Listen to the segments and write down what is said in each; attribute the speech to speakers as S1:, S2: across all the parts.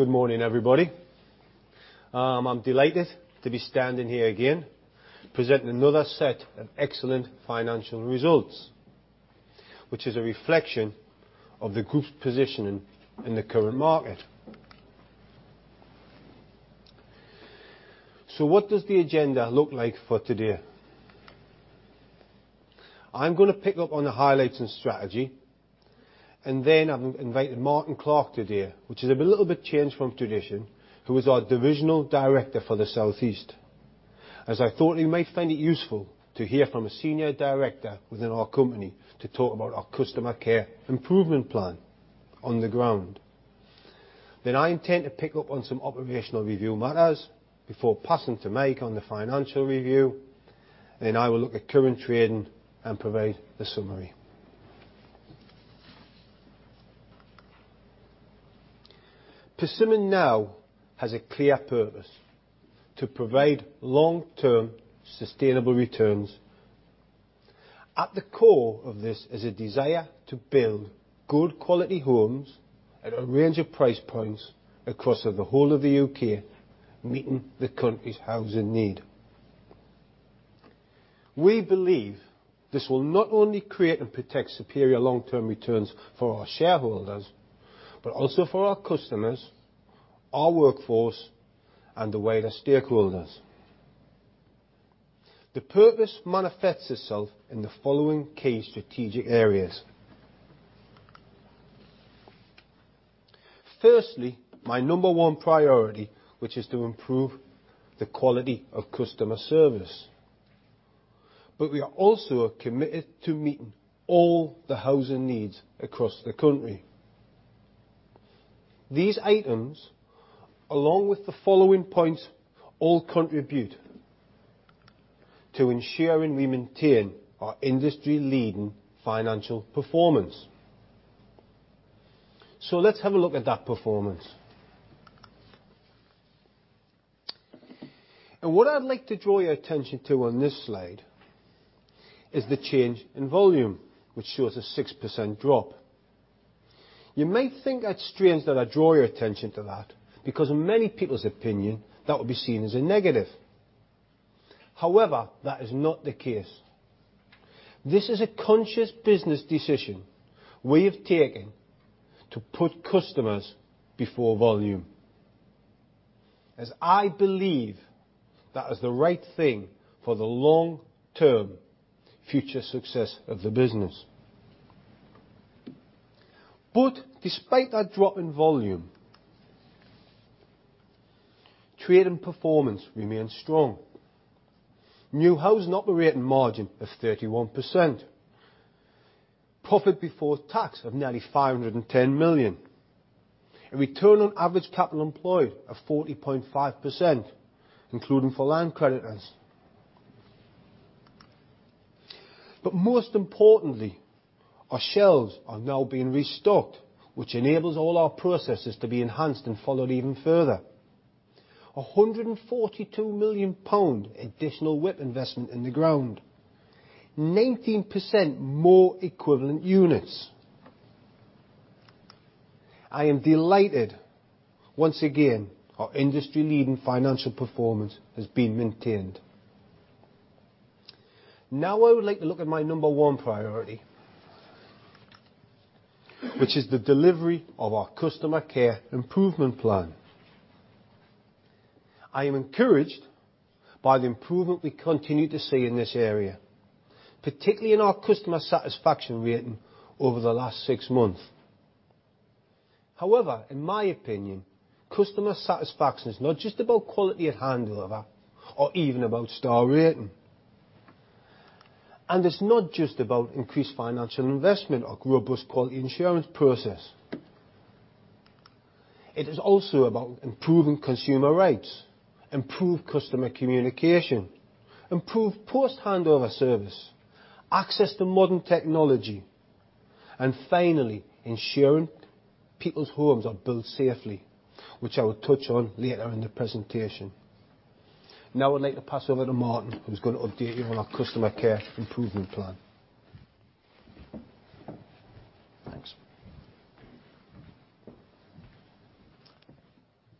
S1: Good morning, everybody. I'm delighted to be standing here again presenting another set of excellent financial results, which is a reflection of the group's positioning in the current market. What does the agenda look like for today? I'm going to pick up on the highlights and strategy, I've invited Martyn Clark today, which is a little bit change from tradition, who is our divisional director for the South East. As I thought you might find it useful to hear from a senior director within our company to talk about our customer care improvement plan on the ground. I intend to pick up on some operational review matters before passing to Mike on the financial review, I will look at current trading and provide the summary. Persimmon now has a clear purpose to provide long-term sustainable returns. At the core of this is a desire to build good quality homes at a range of price points across the whole of the U.K., meeting the country's housing need. We believe this will not only create and protect superior long-term returns for our shareholders, but also for our customers, our workforce, and the wider stakeholders. The purpose manifests itself in the following key strategic areas. Firstly, my number 1 priority, which is to improve the quality of customer service. We are also committed to meeting all the housing needs across the country. These items, along with the following points, all contribute to ensuring we maintain our industry leading financial performance. Let's have a look at that performance. What I'd like to draw your attention to on this slide is the change in volume, which shows a 6% drop. You might think it strange that I draw your attention to that, because in many people's opinion, that would be seen as a negative. However, that is not the case. This is a conscious business decision we have taken to put customers before volume, as I believe that is the right thing for the long-term future success of the business. Despite that drop in volume, trading performance remains strong. New housing operating margin of 31%. Profit before tax of nearly 510 million. A return on average capital employed of 40.5%, including for land credits. Most importantly, our shelves are now being restocked, which enables all our processes to be enhanced and followed even further. 142 million pound additional WIP investment in the ground. 19% more equivalent units. I am delighted once again, our industry leading financial performance has been maintained. Now I would like to look at my number one priority, which is the delivery of our customer care improvement plan. I am encouraged by the improvement we continue to see in this area, particularly in our customer satisfaction rating over the last six months. However, in my opinion, customer satisfaction is not just about quality at handover or even about star rating. It's not just about increased financial investment or robust quality assurance process. It is also about improving consumer rates, improved customer communication, improved post-handover service, access to modern technology, and finally, ensuring people's homes are built safely, which I will touch on later in the presentation. Now I'd like to pass over to Martyn, who's going to update you on our customer care improvement plan. Thanks.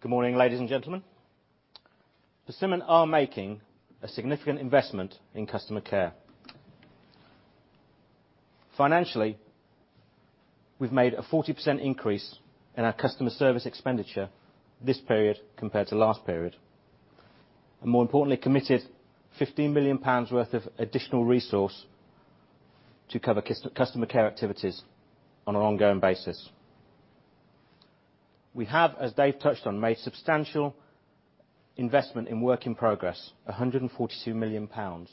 S2: Good morning, ladies and gentlemen. Persimmon are making a significant investment in customer care. Financially, we've made a 40% increase in our customer service expenditure this period compared to last period. More importantly, committed 15 million pounds worth of additional resource to cover customer care activities on an ongoing basis. We have, as Dave touched on, made substantial investment in work in progress, 142 million pounds.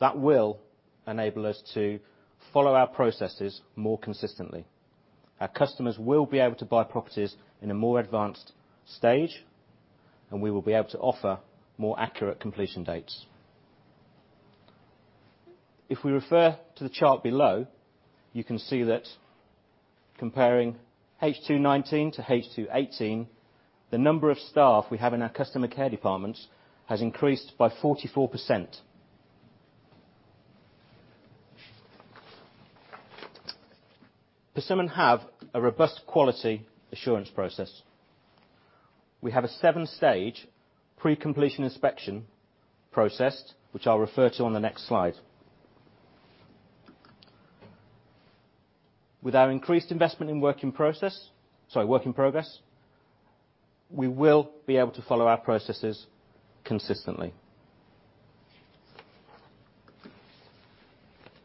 S2: That will enable us to follow our processes more consistently. Our customers will be able to buy properties in a more advanced stage, and we will be able to offer more accurate completion dates. If we refer to the chart below, you can see that comparing H2 2019 to H2 2018, the number of staff we have in our customer care departments has increased by 44%. Persimmon have a robust quality assurance process. We have a 7-stage pre-completion inspection process, which I'll refer to on the next slide. With our increased investment in work in progress, we will be able to follow our processes consistently.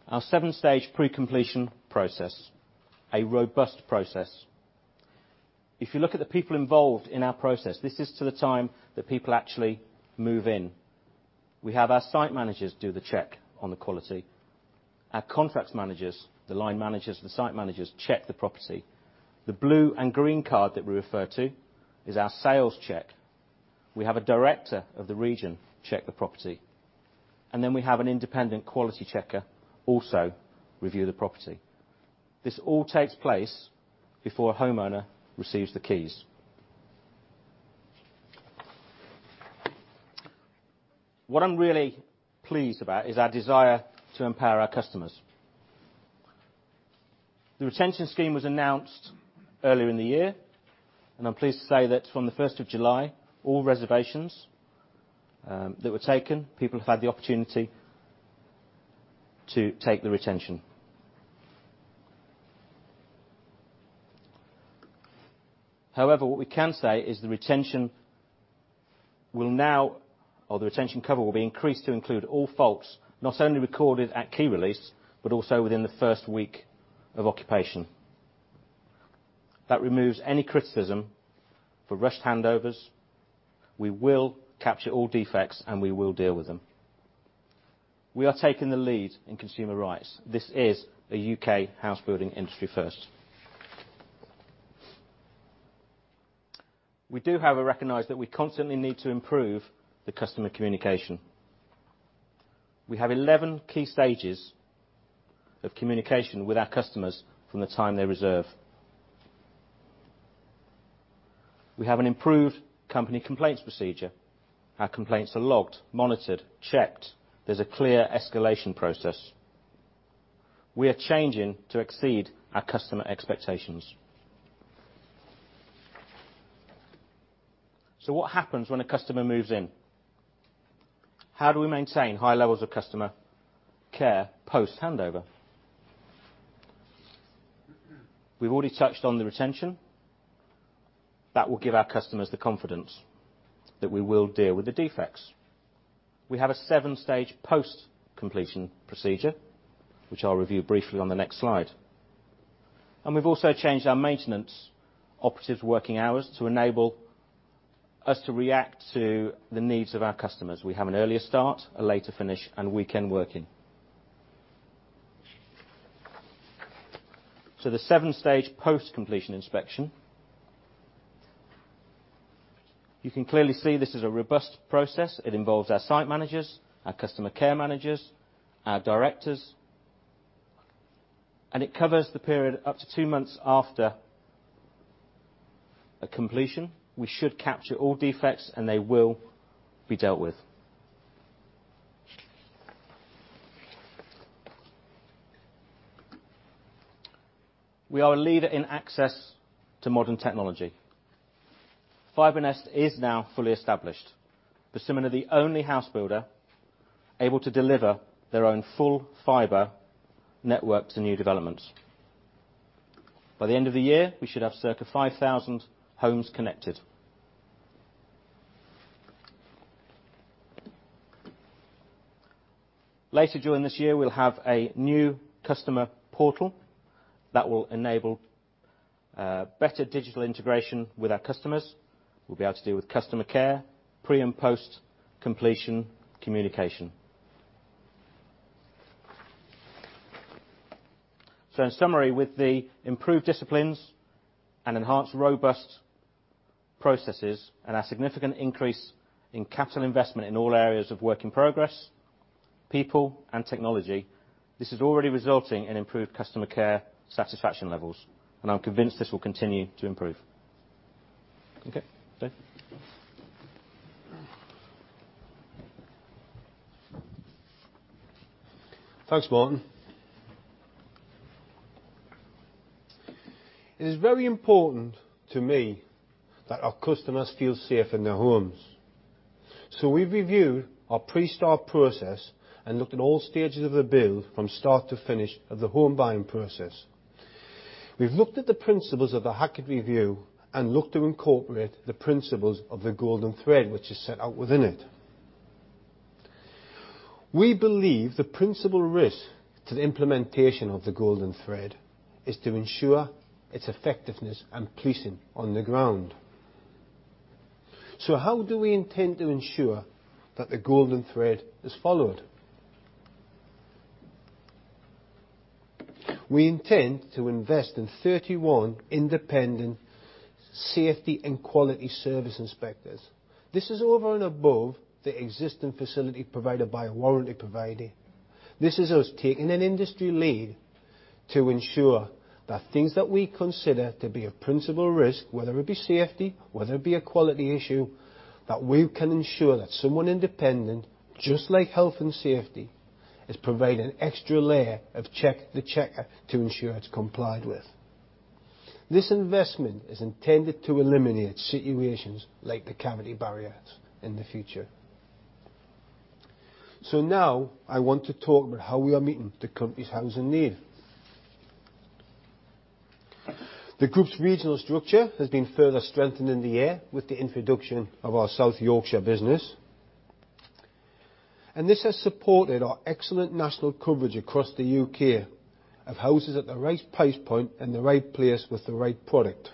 S2: Our 7-stage pre-completion process, a robust process. If you look at the people involved in our process, this is to the time that people actually move in. We have our site managers do the check on the quality. Our contracts managers, the line managers, the site managers, check the property. The blue and green card that we refer to is our sales check. We have a director of the region check the property, and then we have an independent quality checker also review the property. This all takes place before a homeowner receives the keys. What I'm really pleased about is our desire to empower our customers. The retention scheme was announced earlier in the year, and I'm pleased to say that from the 1st of July, all reservations that were taken, people have had the opportunity to take the retention. However, what we can say is the retention cover will be increased to include all faults, not only recorded at key release, but also within the first week of occupation. That removes any criticism for rushed handovers. We will capture all defects and we will deal with them. We are taking the lead in consumer rights. This is a U.K. house building industry first. We do, however, recognize that we constantly need to improve the customer communication. We have 11 key stages of communication with our customers from the time they reserve. We have an improved company complaints procedure. Our complaints are logged, monitored, checked. There is a clear escalation process. What happens when a customer moves in? How do we maintain high levels of customer care post-handover? We've already touched on the retention. That will give our customers the confidence that we will deal with the defects. We have a 7-stage post-completion procedure, which I'll review briefly on the next slide. We've also changed our maintenance operatives working hours to enable us to react to the needs of our customers. We have an earlier start, a later finish, and weekend working. The 7-stage post-completion inspection. You can clearly see this is a robust process. It involves our site managers, our customer care managers, our directors, and it covers the period up to two months after a completion. We should capture all defects, and they will be dealt with. We are a leader in access to modern technology. FibreNest is now fully established. Persimmon are the only house builder able to deliver their own full fiber network to new developments. By the end of the year, we should have circa 5,000 homes connected. Later during this year, we'll have a new customer portal that will enable better digital integration with our customers. We'll be able to deal with customer care, pre and post-completion communication. In summary, with the improved disciplines and enhanced robust processes and our significant increase in capital investment in all areas of work in progress, people and technology, this is already resulting in improved customer care satisfaction levels, and I'm convinced this will continue to improve. Okay. Dave.
S1: Thanks, Martyn. It is very important to me that our customers feel safe in their homes. We've reviewed our pre-start process and looked at all stages of the build from start to finish of the home buying process. We've looked at the principles of the Hackitt Review and looked to incorporate the principles of the Golden Thread, which is set out within it. We believe the principal risk to the implementation of the Golden Thread is to ensure its effectiveness and policing on the ground. How do we intend to ensure that the Golden Thread is followed? We intend to invest in 31 independent safety and quality service inspectors. This is over and above the existing facility provided by a warranty provider. This is us taking an industry lead to ensure. There are things that we consider to be a principal risk, whether it be safety, whether it be a quality issue, that we can ensure that someone independent, just like health and safety, is providing an extra layer of check the checker to ensure it's complied with. This investment is intended to eliminate situations like the cavity barriers in the future. Now I want to talk about how we are meeting the country's housing need. The group's regional structure has been further strengthened in the year with the introduction of our South Yorkshire business. This has supported our excellent national coverage across the U.K. of houses at the right price point, in the right place, with the right product.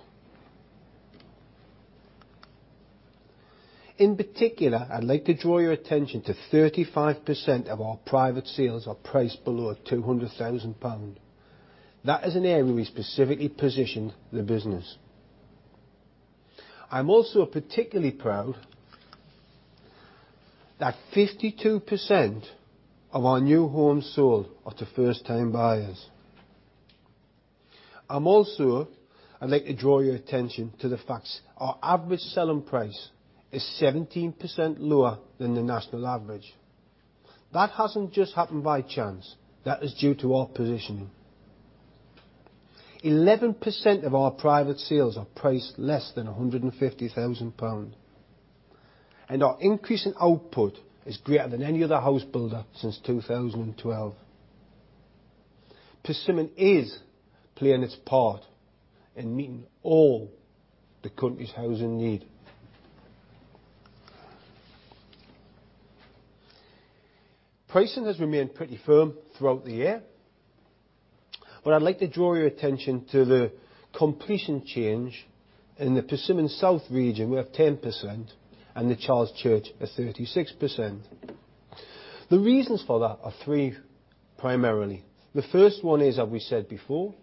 S1: In particular, I'd like to draw your attention to 35% of our private sales are priced below 200,000 pounds. That is an area we specifically positioned the business. I'm also particularly proud that 52% of our new homes sold are to first-time buyers. I'd also like to draw your attention to the fact our average selling price is 17% lower than the national average. That hasn't just happened by chance. That is due to our positioning. 11% of our private sales are priced less than 150,000 pounds, and our increase in output is greater than any other housebuilder since 2012. Persimmon is playing its part in meeting all the country's housing need. Pricing has remained pretty firm throughout the year, but I'd like to draw your attention to the completion change in the Persimmon South region. We have 10% and the Charles Church at 36%. The reasons for that are three primarily. The first one is, as we said before,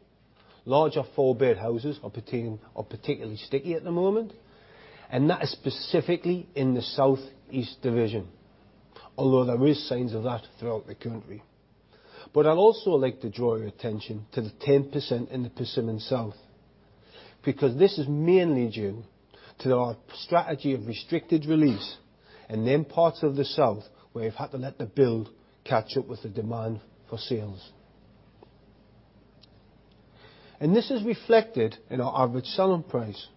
S1: larger four-bed houses are particularly sticky at the moment, and that is specifically in the Southeast division, although there is signs of that throughout the country. I'd also like to draw your attention to the 10% in the Persimmon South, because this is mainly due to our strategy of restricted release and then parts of the South where we've had to let the build catch up with the demand for sales. This is reflected in our average selling price.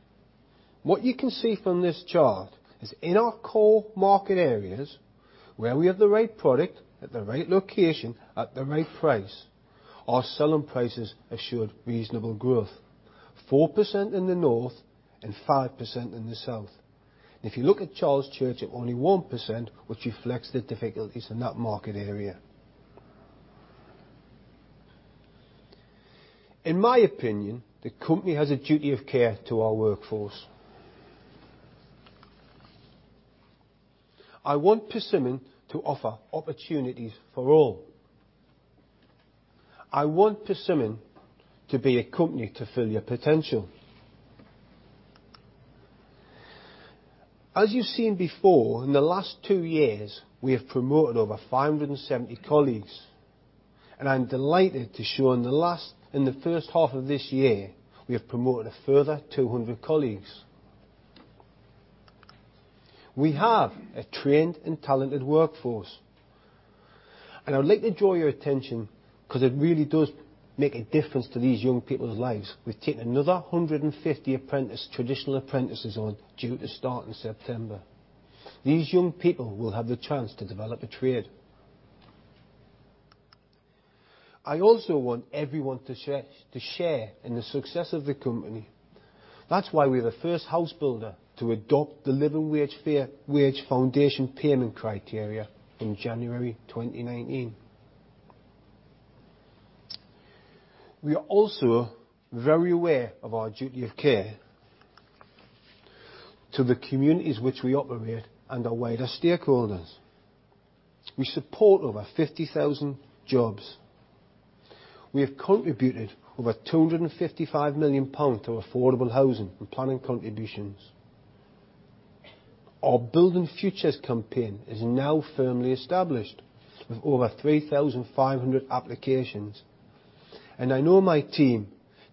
S1: What you can see from this chart is in our core market areas where we have the right product at the right location at the right price, our selling prices have showed reasonable growth, 4% in the North and 5% in the South. If you look at Charles Church at only 1%, which reflects the difficulties in that market area. In my opinion, the company has a duty of care to our workforce. I want Persimmon to offer opportunities for all. I want Persimmon to be a company to fill your potential. As you've seen before, in the last two years, we have promoted over 570 colleagues, and I'm delighted to show in the first half of this year, we have promoted a further 200 colleagues. We have a trained and talented workforce, and I would like to draw your attention because it really does make a difference to these young people's lives. We've taken another 150 traditional apprentices on due to start in September. These young people will have the chance to develop a trade. I also want everyone to share in the success of the company. That's why we're the first house builder to adopt the Living Wage Foundation payment criteria in January 2019. We are also very aware of our duty of care to the communities which we operate and our wider stakeholders. We support over 50,000 jobs. We have contributed over 255 million pounds to affordable housing and planning contributions. Our Building Futures campaign is now firmly established with over 3,500 applications. I know my team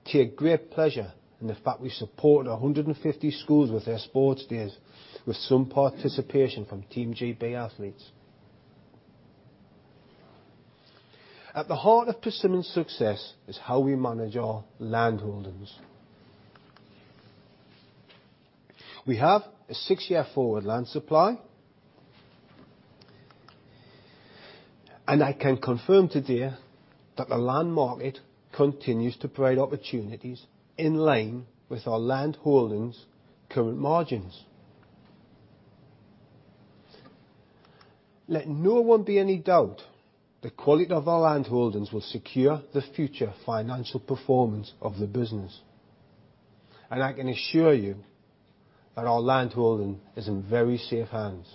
S1: take great pleasure in the fact we supported 150 schools with their sports days with some participation from Team GB athletes. At the heart of Persimmon's success is how we manage our land holdings. We have a six-year forward land supply, and I can confirm today that the land market continues to provide opportunities in line with our land holdings current margins. Let no one be any doubt the quality of our land holdings will secure the future financial performance of the business, and I can assure you that our land holding is in very safe hands.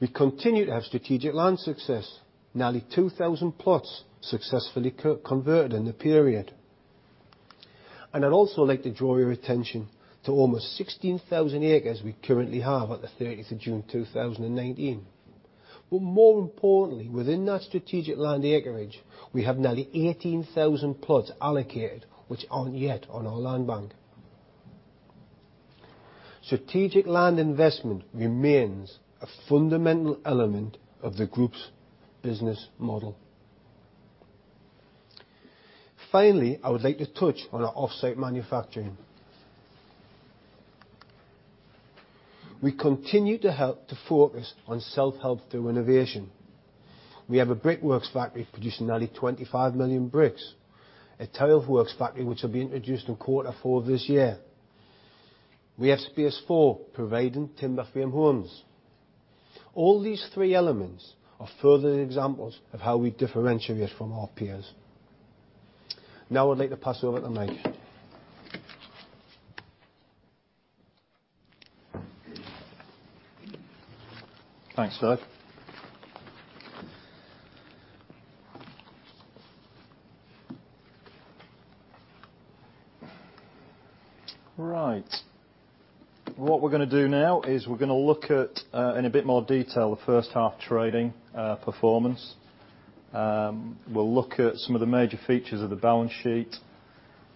S1: We continue to have strategic land success. Nearly 2,000 plots successfully converted in the period. I'd also like to draw your attention to almost 16,000 acres we currently have at the 30th of June 2019. More importantly, within that strategic land acreage, we have nearly 18,000 plots allocated which aren't yet on our land bank. Strategic land investment remains a fundamental element of the group's business model. Finally, I would like to touch on our offsite manufacturing. We continue to focus on self-help through innovation. We have a brickworks factory producing nearly 25 million bricks, a tileworks factory which will be introduced in quarter four this year. We have Space4 providing timber frame homes. All these three elements are further examples of how we differentiate from our peers. I'd like to pass over to Mike.
S3: Thanks, Dave. Right. What we're going to do now is we're going to look at, in a bit more detail, the first half trading performance. We'll look at some of the major features of the balance sheet,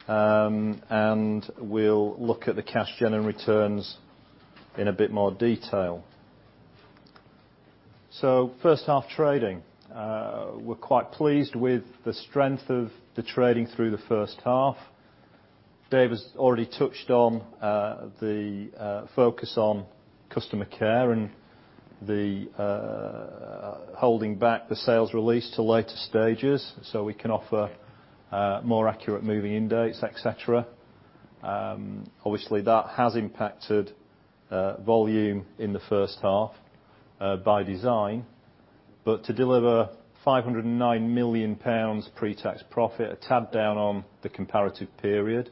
S3: and we'll look at the cash gen and returns in a bit more detail. First half trading. We're quite pleased with the strength of the trading through the first half. Dave has already touched on the focus on customer care and the holding back the sales release to later stages, so we can offer more accurate moving in dates, et cetera. Obviously, that has impacted volume in the first half, by design. To deliver 509 million pounds pre-tax profit, a tad down on the comparative period,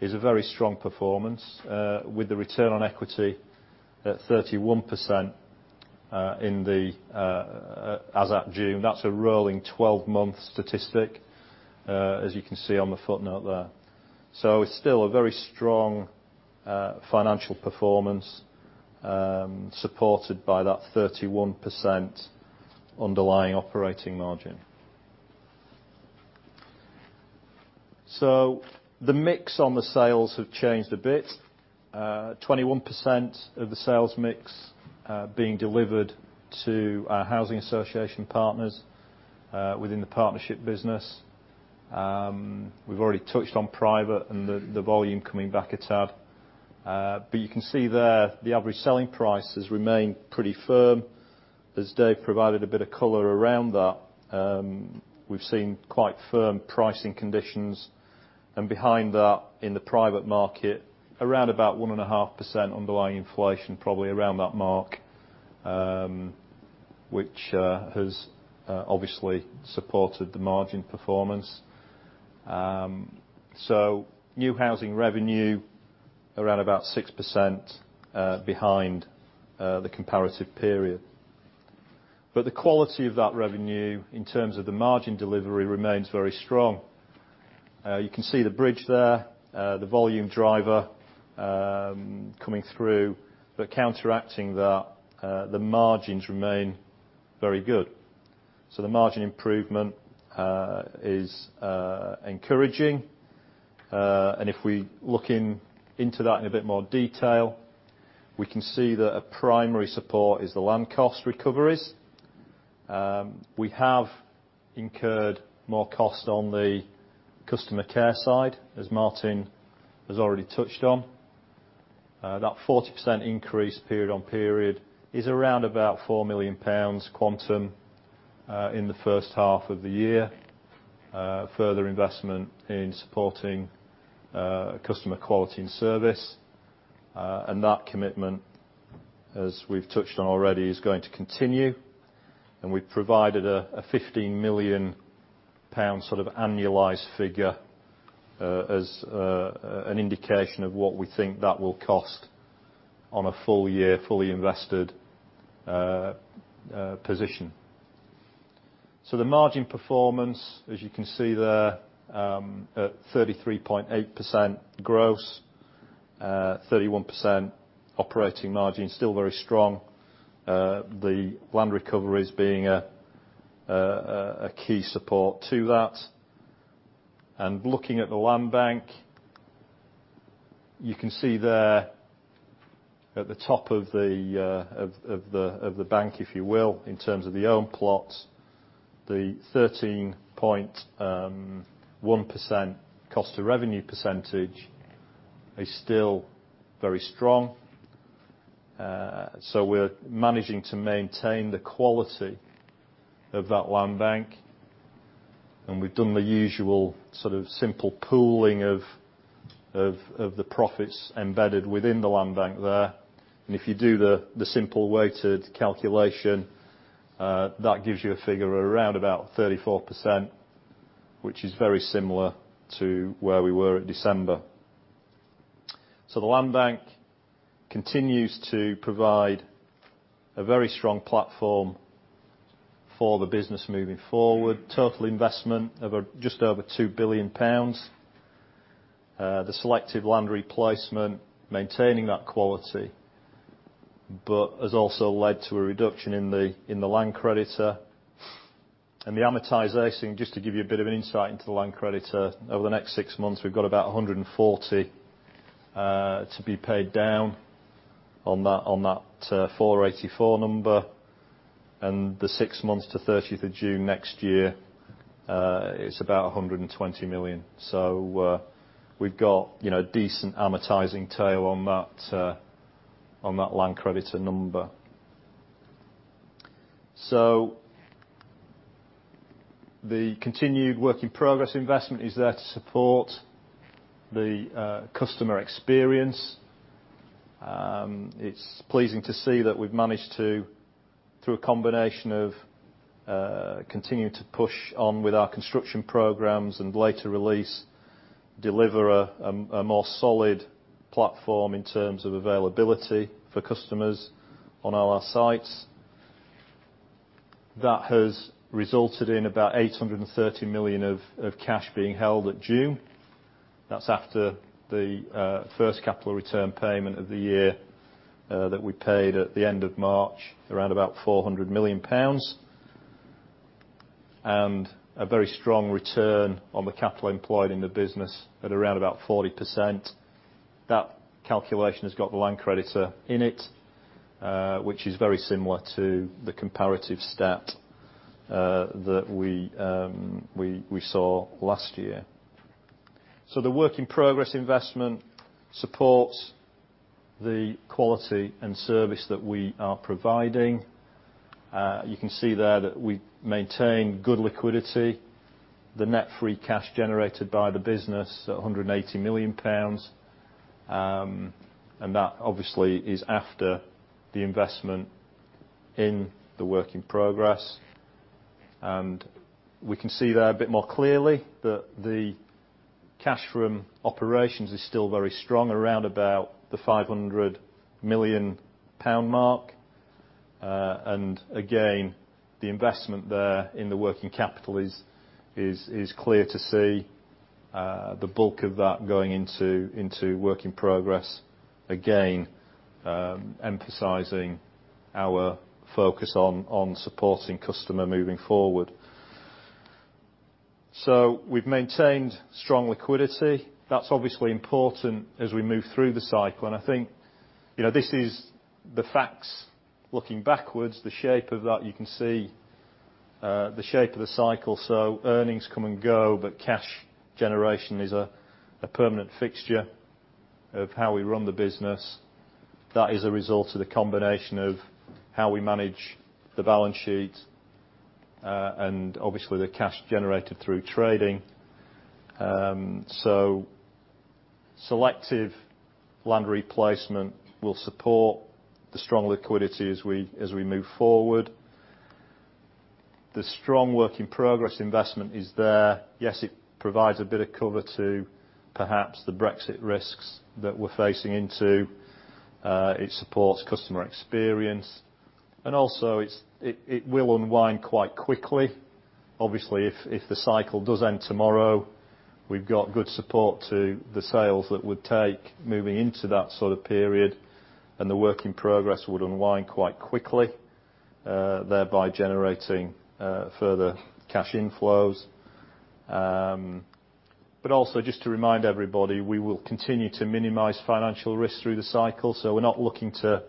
S3: is a very strong performance, with the return on equity at 31% as at June. That's a rolling 12-month statistic, as you can see on the footnote there. It's still a very strong financial performance, supported by that 31% underlying operating margin. The mix on the sales have changed a bit. 21% of the sales mix being delivered to our housing association partners within the partnership business. We've already touched on private and the volume coming back a tad. You can see there, the average selling price has remained pretty firm, as Dave provided a bit of color around that. We've seen quite firm pricing conditions, and behind that in the private market, around about 1.5% underlying inflation, probably around that mark, which has obviously supported the margin performance. New housing revenue, around about 6% behind the comparative period. The quality of that revenue in terms of the margin delivery remains very strong. You can see the bridge there, the volume driver coming through. Counteracting that, the margins remain very good. The margin improvement is encouraging. If we look into that in a bit more detail, we can see that a primary support is the land cost recoveries. We have incurred more cost on the customer care side, as Martyn has already touched on. That 40% increase period on period is around about 4 million pounds quantum in the first half of the year. Further investment in supporting customer quality and service. That commitment, as we've touched on already, is going to continue. We've provided a 15 million pound sort of annualized figure as an indication of what we think that will cost on a full year, fully invested position. The margin performance, as you can see there, at 33.8% gross, 31% operating margin, still very strong. The land recoveries being a key support to that. Looking at the land bank, you can see there at the top of the bank, if you will, in terms of the owned plots, the 13.1% cost of revenue percentage is still very strong. We're managing to maintain the quality of that land bank, and we've done the usual sort of simple pooling of the profits embedded within the land bank there. If you do the simple weighted calculation, that gives you a figure around about 34%, which is very similar to where we were at December. The land bank continues to provide a very strong platform for the business moving forward. Total investment just over 2 billion pounds. The selective land replacement, maintaining that quality, but has also led to a reduction in the land creditor. The amortization, just to give you a bit of an insight into the land creditor, over the next six months, we've got about 140 to be paid down on that 484 number. The six months to 30th of June next year, it's about 120 million. We've got decent amortizing tail on that land creditor number. The continued work-in-progress investment is there to support the customer experience. It's pleasing to see that we've managed to, through a combination of continuing to push on with our construction programs and later release, deliver a more solid platform in terms of availability for customers on all our sites. That has resulted in about 830 million of cash being held at June. That's after the first capital return payment of the year that we paid at the end of March, around about 400 million pounds. A very strong return on the capital employed in the business at around about 40%. That calculation has got the land creditor in it, which is very similar to the comparative stat that we saw last year. The work-in-progress investment supports the quality and service that we are providing. You can see there that we maintain good liquidity. The net free cash generated by the business, at 180 million pounds. That obviously is after the investment in the work in progress. We can see there a bit more clearly that the cash from operations is still very strong, around about the 500 million pound mark. Again, the investment there in the working capital is clear to see. The bulk of that going into work in progress, again, emphasizing our focus on supporting customer moving forward. We've maintained strong liquidity. That's obviously important as we move through the cycle. I think this is the facts looking backwards, the shape of that, you can see the shape of the cycle. Earnings come and go, but cash generation is a permanent fixture of how we run the business. That is a result of the combination of how we manage the balance sheet, and obviously, the cash generated through trading. Selective land replacement will support the strong liquidity as we move forward. The strong work-in-progress investment is there. Yes, it provides a bit of cover to perhaps the Brexit risks that we're facing into. It supports customer experience, and also it will unwind quite quickly. Obviously, if the cycle does end tomorrow, we've got good support to the sales that would take moving into that sort of period, and the work in progress would unwind quite quickly, thereby generating further cash inflows. Also, just to remind everybody, we will continue to minimize financial risk through the cycle. We're not looking to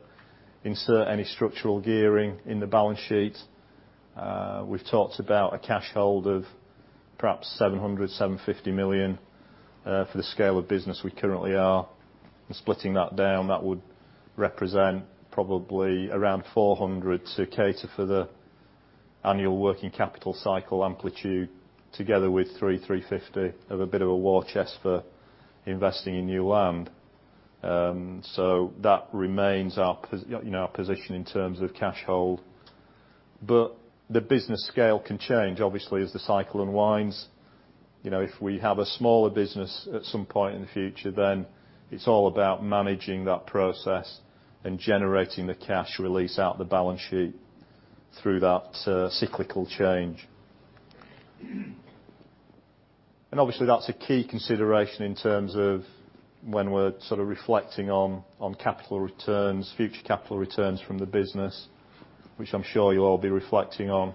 S3: insert any structural gearing in the balance sheet. We've talked about a cash hold of perhaps 700 million-750 million for the scale of business we currently are. Splitting that down, that would represent probably around 400 to cater for the annual working capital cycle amplitude, together with 300-350 of a bit of a war chest for investing in new land. That remains our position in terms of cash hold. The business scale can change, obviously, as the cycle unwinds. If we have a smaller business at some point in the future, then it's all about managing that process and generating the cash release out the balance sheet through that cyclical change. Obviously, that's a key consideration in terms of when we're sort of reflecting on capital returns, future capital returns from the business, which I'm sure you'll all be reflecting on.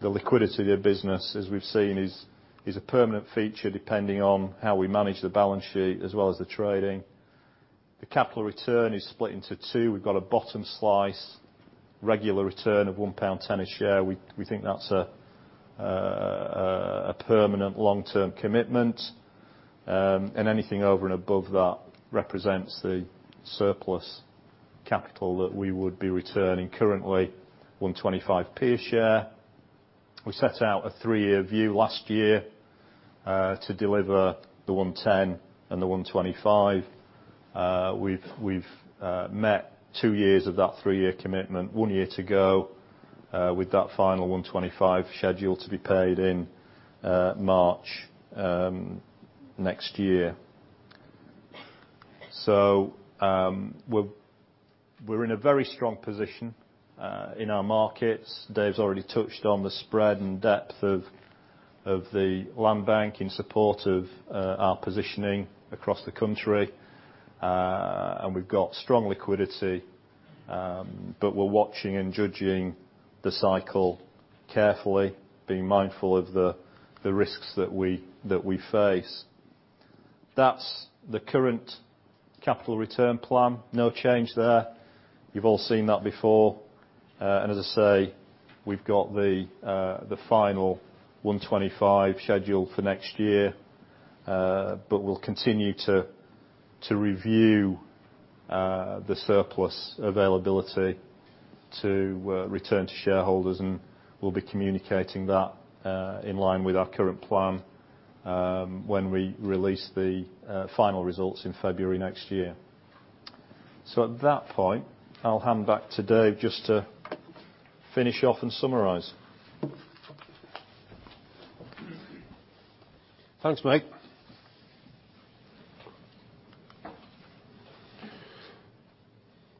S3: The liquidity of business, as we've seen, is a permanent feature depending on how we manage the balance sheet as well as the trading. The capital return is split into two. We've got a bottom slice regular return of 1.10 pound a share. We think that's a permanent long-term commitment. Anything over and above that represents the surplus capital that we would be returning currently 1.25 per share. We set out a three-year view last year, to deliver the 1.10 and the 1.25. We've met two years of that three-year commitment, one year to go, with that final 125 scheduled to be paid in March next year. We are in a very strong position in our markets. Dave has already touched on the spread and depth of the land bank in support of our positioning across the country. We have got strong liquidity, but we are watching and judging the cycle carefully, being mindful of the risks that we face. That is the current capital return plan. No change there. You have all seen that before. As I say, we have got the final 125 scheduled for next year. We will continue to review the surplus availability to return to shareholders, and we will be communicating that in line with our current plan when we release the final results in February next year. At that point, I will hand back to Dave just to finish off and summarize.
S1: Thanks, Mike.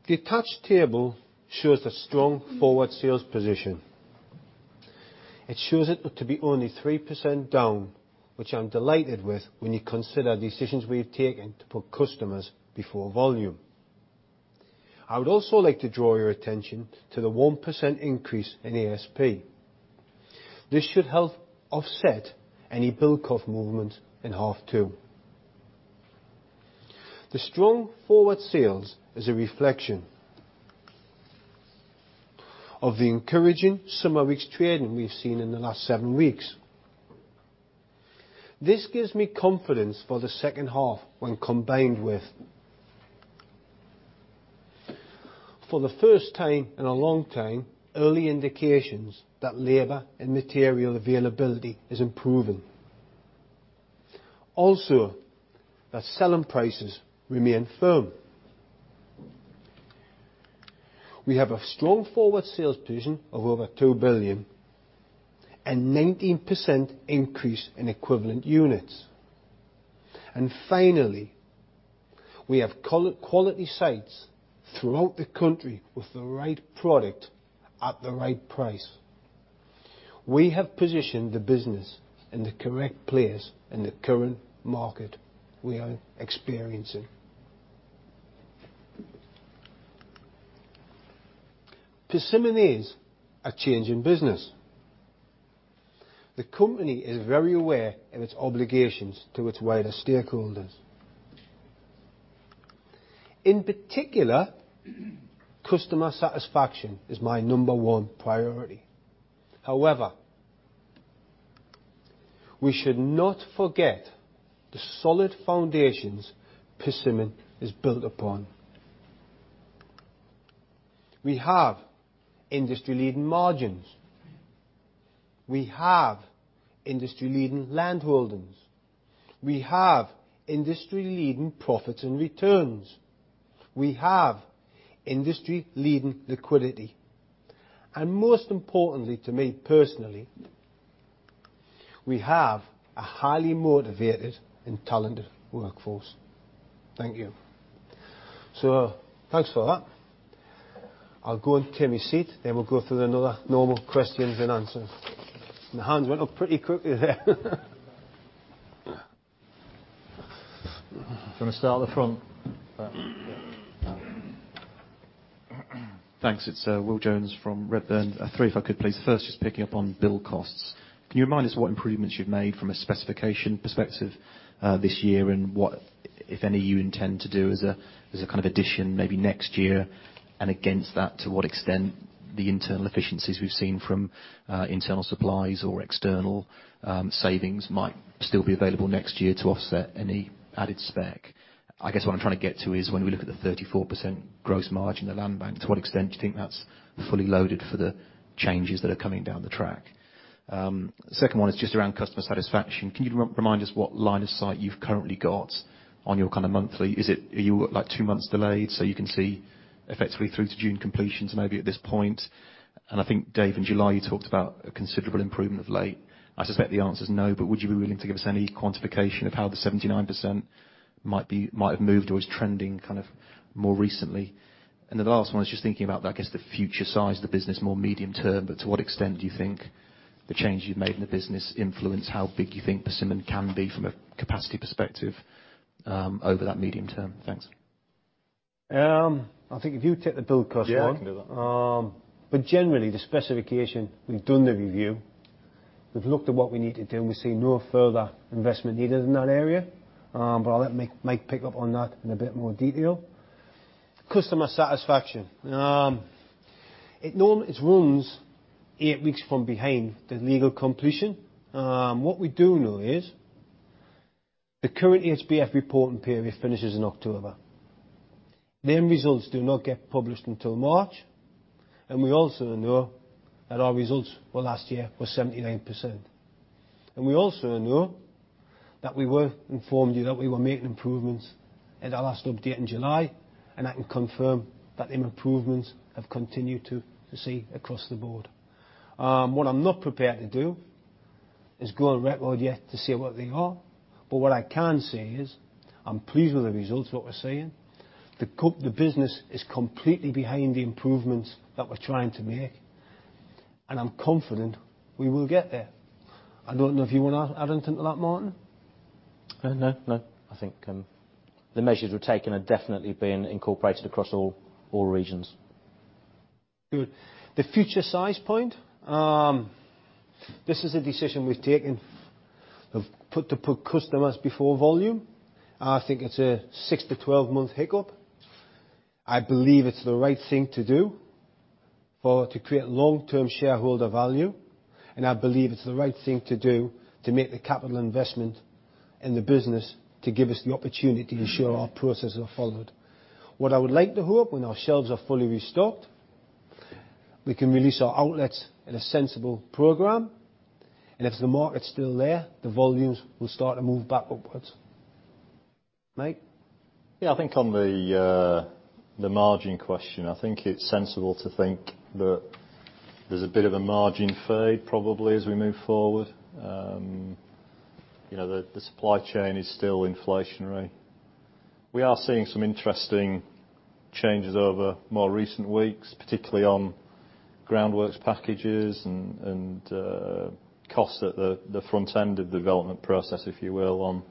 S1: The attached table shows the strong forward sales position. It shows it to be only 3% down, which I'm delighted with when you consider decisions we've taken to put customers before volume. I would also like to draw your attention to the 1% increase in ASP. This should help offset any build cost movement in half two. The strong forward sales is a reflection of the encouraging summer weeks trading we've seen in the last seven weeks. This gives me confidence for the second half when combined with, for the first time in a long time, early indications that labor and material availability is improving. That selling prices remain firm. We have a strong forward sales position of over 2 billion and 19% increase in equivalent units. Finally, we have quality sites throughout the country with the right product at the right price. We have positioned the business in the correct place in the current market we are experiencing. Persimmon is a change in business. The company is very aware of its obligations to its wider stakeholders. In particular, customer satisfaction is my number one priority. We should not forget the solid foundations Persimmon is built upon. We have industry leading margins. We have industry leading landholdings. We have industry leading profits and returns. We have industry leading liquidity. Most importantly to me personally, we have a highly motivated and talented workforce. Thank you. Thanks for that. I'll go and take me seat, we'll go through another normal questions and answer. The hands went up pretty quickly there. Gonna start at the front.
S4: Thanks. It is Will Jones from Redburn. Three if I could please. First, just picking up on build costs. Can you remind us what improvements you have made from a specification perspective, this year and what, if any, you intend to do as a kind of addition maybe next year? Against that, to what extent the internal efficiencies we have seen from internal supplies or external savings might still be available next year to offset any added spec? I guess what I am trying to get to is when we look at the 34% gross margin, the land bank, to what extent do you think that is fully loaded for the changes that are coming down the track? Second one is just around customer satisfaction. Can you remind us what line of sight you've currently got on your kind of monthly— Is it, are you like two months delayed, so you can see effectively through to June completions maybe at this point? I think Dave, in July you talked about a considerable improvement of late. I suspect the answer's no, but would you be willing to give us any quantification of how the 79% might have moved or is trending kind of more recently? The last one is just thinking about, I guess, the future size of the business, more medium term, but to what extent do you think the changes you've made in the business influence how big you think Persimmon can be from a capacity perspective over that medium term? Thanks.
S1: I think if you take the build cost-
S3: Yeah, I can do that.
S1: Generally, the specification, we've done the review. We've looked at what we need to do, and we see no further investment needed in that area. I'll let Mike pick up on that in a bit more detail. Customer satisfaction. It runs eight weeks from behind the legal completion. What we do know is the current HBF reporting period finishes in October. Them results do not get published until March. We also know that our results for last year were 79%. We also know that we were informed you that we were making improvements at our last update in July. I can confirm that them improvements have continued to see across the board. What I'm not prepared to do is go on record yet to say what they are. What I can say is, I'm pleased with the results, what we're seeing. The business is completely behind the improvements that we're trying to make, and I'm confident we will get there. I don't know if you want to add anything to that, Martyn?
S2: No, no. I think the measures we've taken are definitely being incorporated across all regions.
S1: Good. The future size point, this is a decision we've taken to put customers before volume. I think it's a 6-12 month hiccup. I believe it's the right thing to do to create long-term shareholder value, and I believe it's the right thing to do to make the capital investment in the business to give us the opportunity to ensure our processes are followed. What I would like to hope, when our shelves are fully restocked, we can release our outlets at a sensible program. If the market's still there, the volumes will start to move back upwards. Mike?
S3: Yeah, I think on the margin question, I think it's sensible to think that there's a bit of a margin fade probably as we move forward. The supply chain is still inflationary. We are seeing some interesting changes over more recent weeks, particularly on groundworks packages and costs at the front end of the development process, if you will, on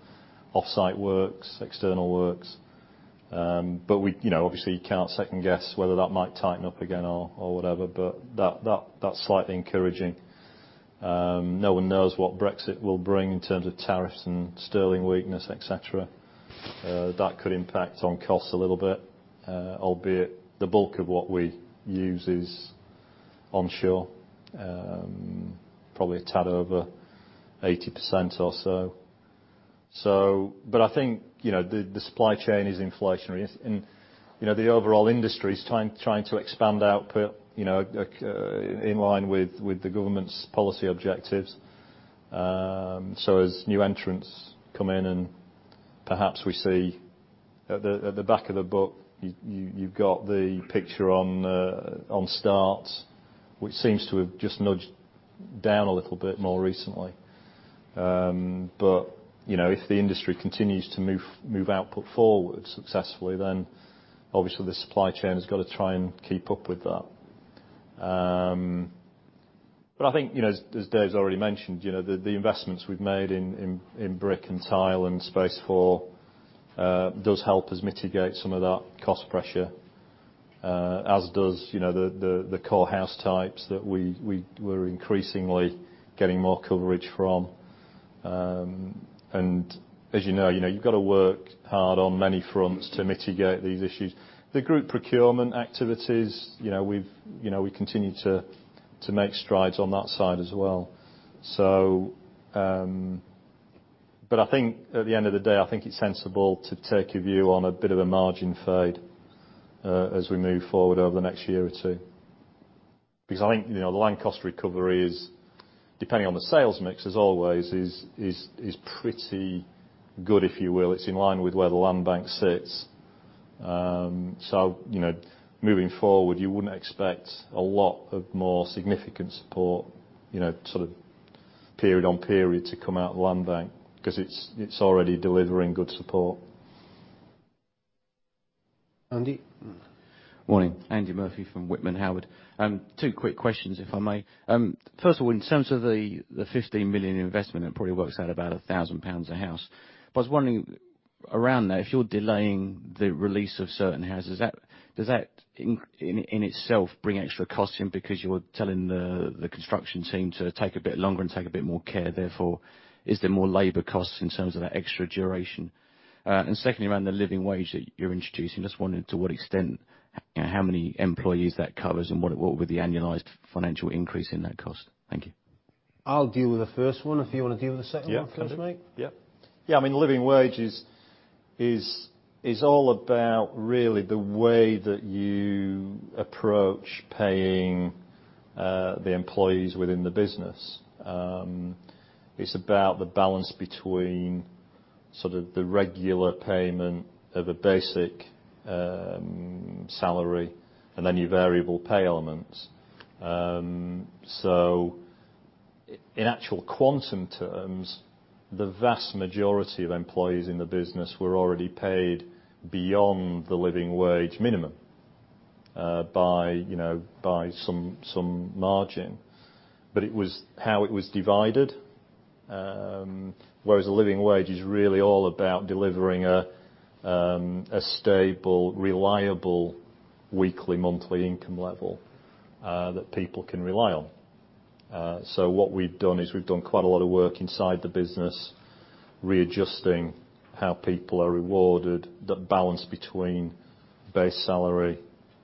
S3: offsite works, external works. We obviously can't second guess whether that might tighten up again or whatever, but that's slightly encouraging. No one knows what Brexit will bring in terms of tariffs and sterling weakness, et cetera. That could impact on costs a little bit, albeit the bulk of what we use is onshore, probably a tad over 80% or so. I think, the supply chain is inflationary, and the overall industry is trying to expand output in line with the government's policy objectives. As new entrants come in and perhaps we see at the back of the book, you've got the picture on start, which seems to have just nudged down a little bit more recently. If the industry continues to move output forward successfully, then obviously the supply chain has got to try and keep up with that. I think, as Dave's already mentioned, the investments we've made in brick and tile and Space4, does help us mitigate some of that cost pressure, as does the core house types that we're increasingly getting more coverage from. As you know, you've got to work hard on many fronts to mitigate these issues. The group procurement activities, we continue to make strides on that side as well. I think at the end of the day, I think it's sensible to take a view on a bit of a margin fade, as we move forward over the next year or two. I think, the land cost recovery is, depending on the sales mix as always, is pretty good, if you will. It's in line with where the land bank sits. Moving forward, you wouldn't expect a lot of more significant support, sort of period on period to come out of the land bank because it's already delivering good support.
S1: Andy?
S5: Morning. Andy Murphy from Whitman Howard. Two quick questions, if I may. First of all, in terms of the 15 million investment, it probably works out about 1,000 pounds a house. I was wondering, around that, if you're delaying the release of certain houses, does that in itself bring extra costs in because you're telling the construction team to take a bit longer and take a bit more care, therefore, is there more labor costs in terms of that extra duration? Secondly, around the living wage that you're introducing, just wondering to what extent, how many employees that covers and what would be the annualized financial increase in that cost? Thank you.
S1: I'll deal with the first one if you want to deal with the second one for us, Mike. Yeah, living wage is all about really the way that you approach paying the employees within the business. It's about the balance between sort of the regular payment of a basic salary and any variable pay elements. In actual quantum terms, the vast majority of employees in the business were already paid beyond the living wage minimum by some margin. It was how it was divided, whereas a living wage is really all about delivering a stable, reliable, weekly, monthly income level that people can rely on. What we've done is we've done quite a lot of work inside the business readjusting how people are rewarded, that balance between base salary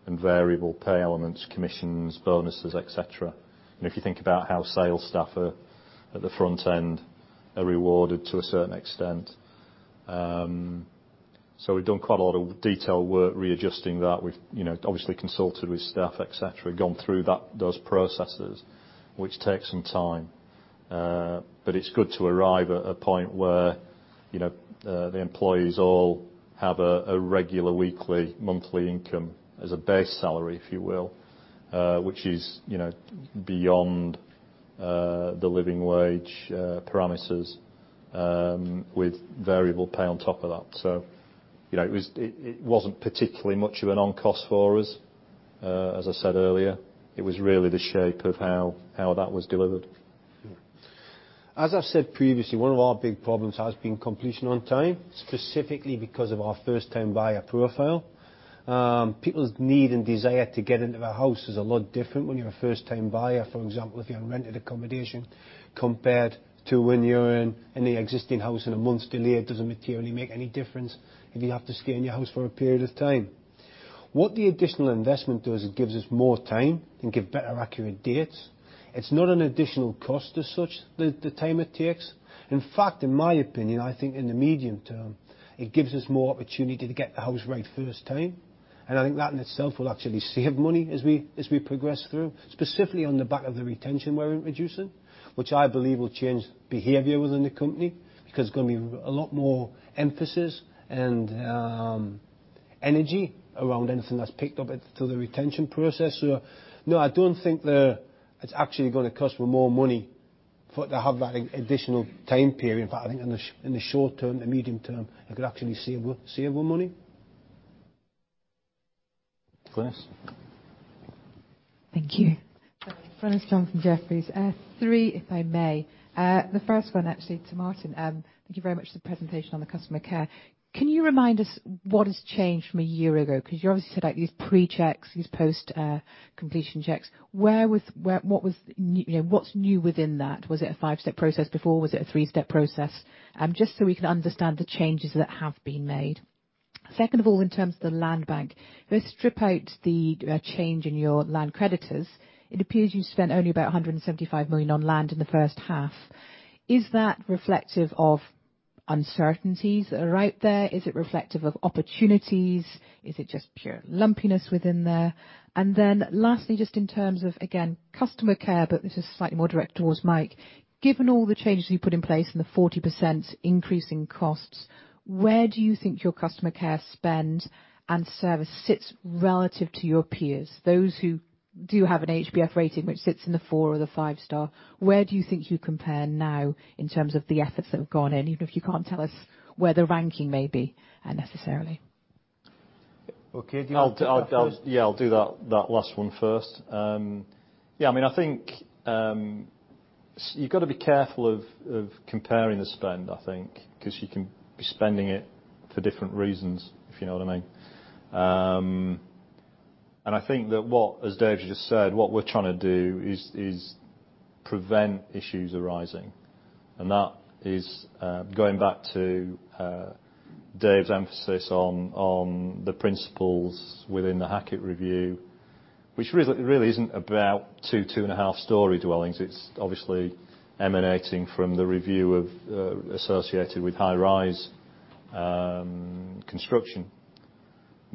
S1: and variable pay elements, commissions, bonuses, et cetera. If you think about how sales staff at the front end are rewarded to a certain extent. We've done quite a lot of detail work readjusting that. We've obviously consulted with staff, et cetera, gone through those processes, which takes some time. It's good to arrive at a point where the employees all have a regular weekly, monthly income as a base salary, if you will, which is beyond the Living Wage parameters with variable pay on top of that. It wasn't particularly much of an on cost for us. As I said earlier, it was really the shape of how that was delivered.
S3: As I've said previously, one of our big problems has been completion on time, specifically because of our first-time buyer profile. People's need and desire to get into their house is a lot different when you're a first-time buyer. For example, if you're in rented accommodation compared to when you're in an existing house and a month's delay doesn't materially make any difference if you have to stay in your house for a period of time. What the additional investment does, it gives us more time and give better accurate dates. It's not an additional cost as such, the time it takes. In fact, in my opinion, I think in the medium term, it gives us more opportunity to get the house right first time. I think that in itself will actually save money as we progress through, specifically on the back of the retention we're introducing, which I believe will change behavior within the company, because there's going to be a lot more emphasis and energy around anything that's picked up through the retention process. No, I don't think it's actually going to cost me more money for it to have that additional time period. I think in the short term, the medium term, it could actually save more money. Florence.
S6: Thank you. Florence Tong from Jefferies. Three, if I may. The first one, actually, to Martyn. Thank you very much for the presentation on the customer care. Can you remind us what has changed from a year ago? You obviously set out these pre-checks, these post-completion checks. What's new within that? Was it a five-step process before? Was it a three-step process? We can understand the changes that have been made. Second of all, in terms of the land bank. If we strip out the change in your land creditors, it appears you spent only about 175 million on land in the first half. Is that reflective of uncertainties that are out there? Is it reflective of opportunities? Is it just pure lumpiness within there? Lastly, just in terms of, again, customer care, but this is slightly more direct towards Mike, given all the changes you put in place and the 40% increase in costs, where do you think your customer care spend and service sits relative to your peers? Those who do have an HBF rating which sits in the four or the five star. Where do you think you compare now in terms of the efforts that have gone in, even if you can't tell us where the ranking may be necessarily?
S3: Okay. Do you want to take that first? Yeah, I'll do that last one first. I think you've got to be careful of comparing the spend, because you can be spending it for different reasons, if you know what I mean. I think that what, as Dave just said, what we're trying to do is prevent issues arising. That is going back to Dave's emphasis on the principles within the Hackitt Review, which really isn't about two and a half story dwellings. It's obviously emanating from the review associated with high-rise construction.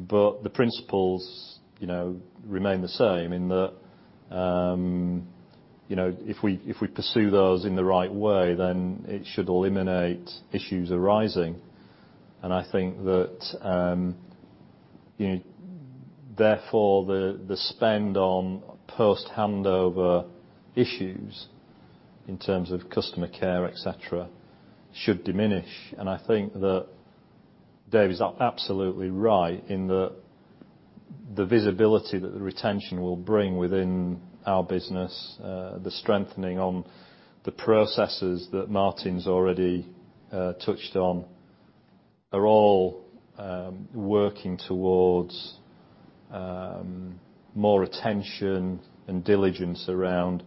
S3: The principles remain the same in that if we pursue those in the right way, then it should eliminate issues arising. I think that therefore the spend on post-handover issues in terms of customer care, et cetera, should diminish. I think that Dave is absolutely right in that the visibility that the retention will bring within our business, the strengthening on the processes that Martyn's already touched on, are all working towards more attention and diligence around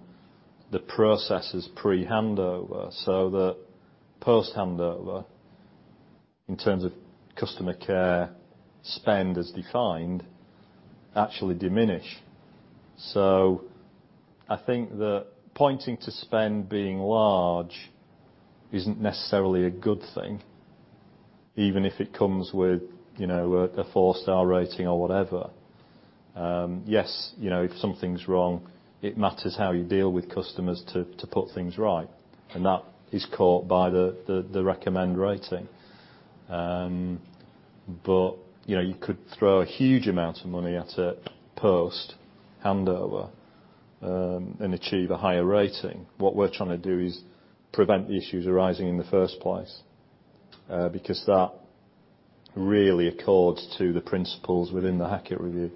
S3: the processes pre-handover, so that post-handover, in terms of customer care spend as defined, actually diminish. I think that pointing to spend being large isn't necessarily a good thing, even if it comes with a four-star rating or whatever. If something's wrong, it matters how you deal with customers to put things right, and that is caught by the recommend rating. You could throw a huge amount of money at it post-handover and achieve a higher rating. What we're trying to do is prevent the issues arising in the first place, because that really accords to the principles within the Hackitt Review.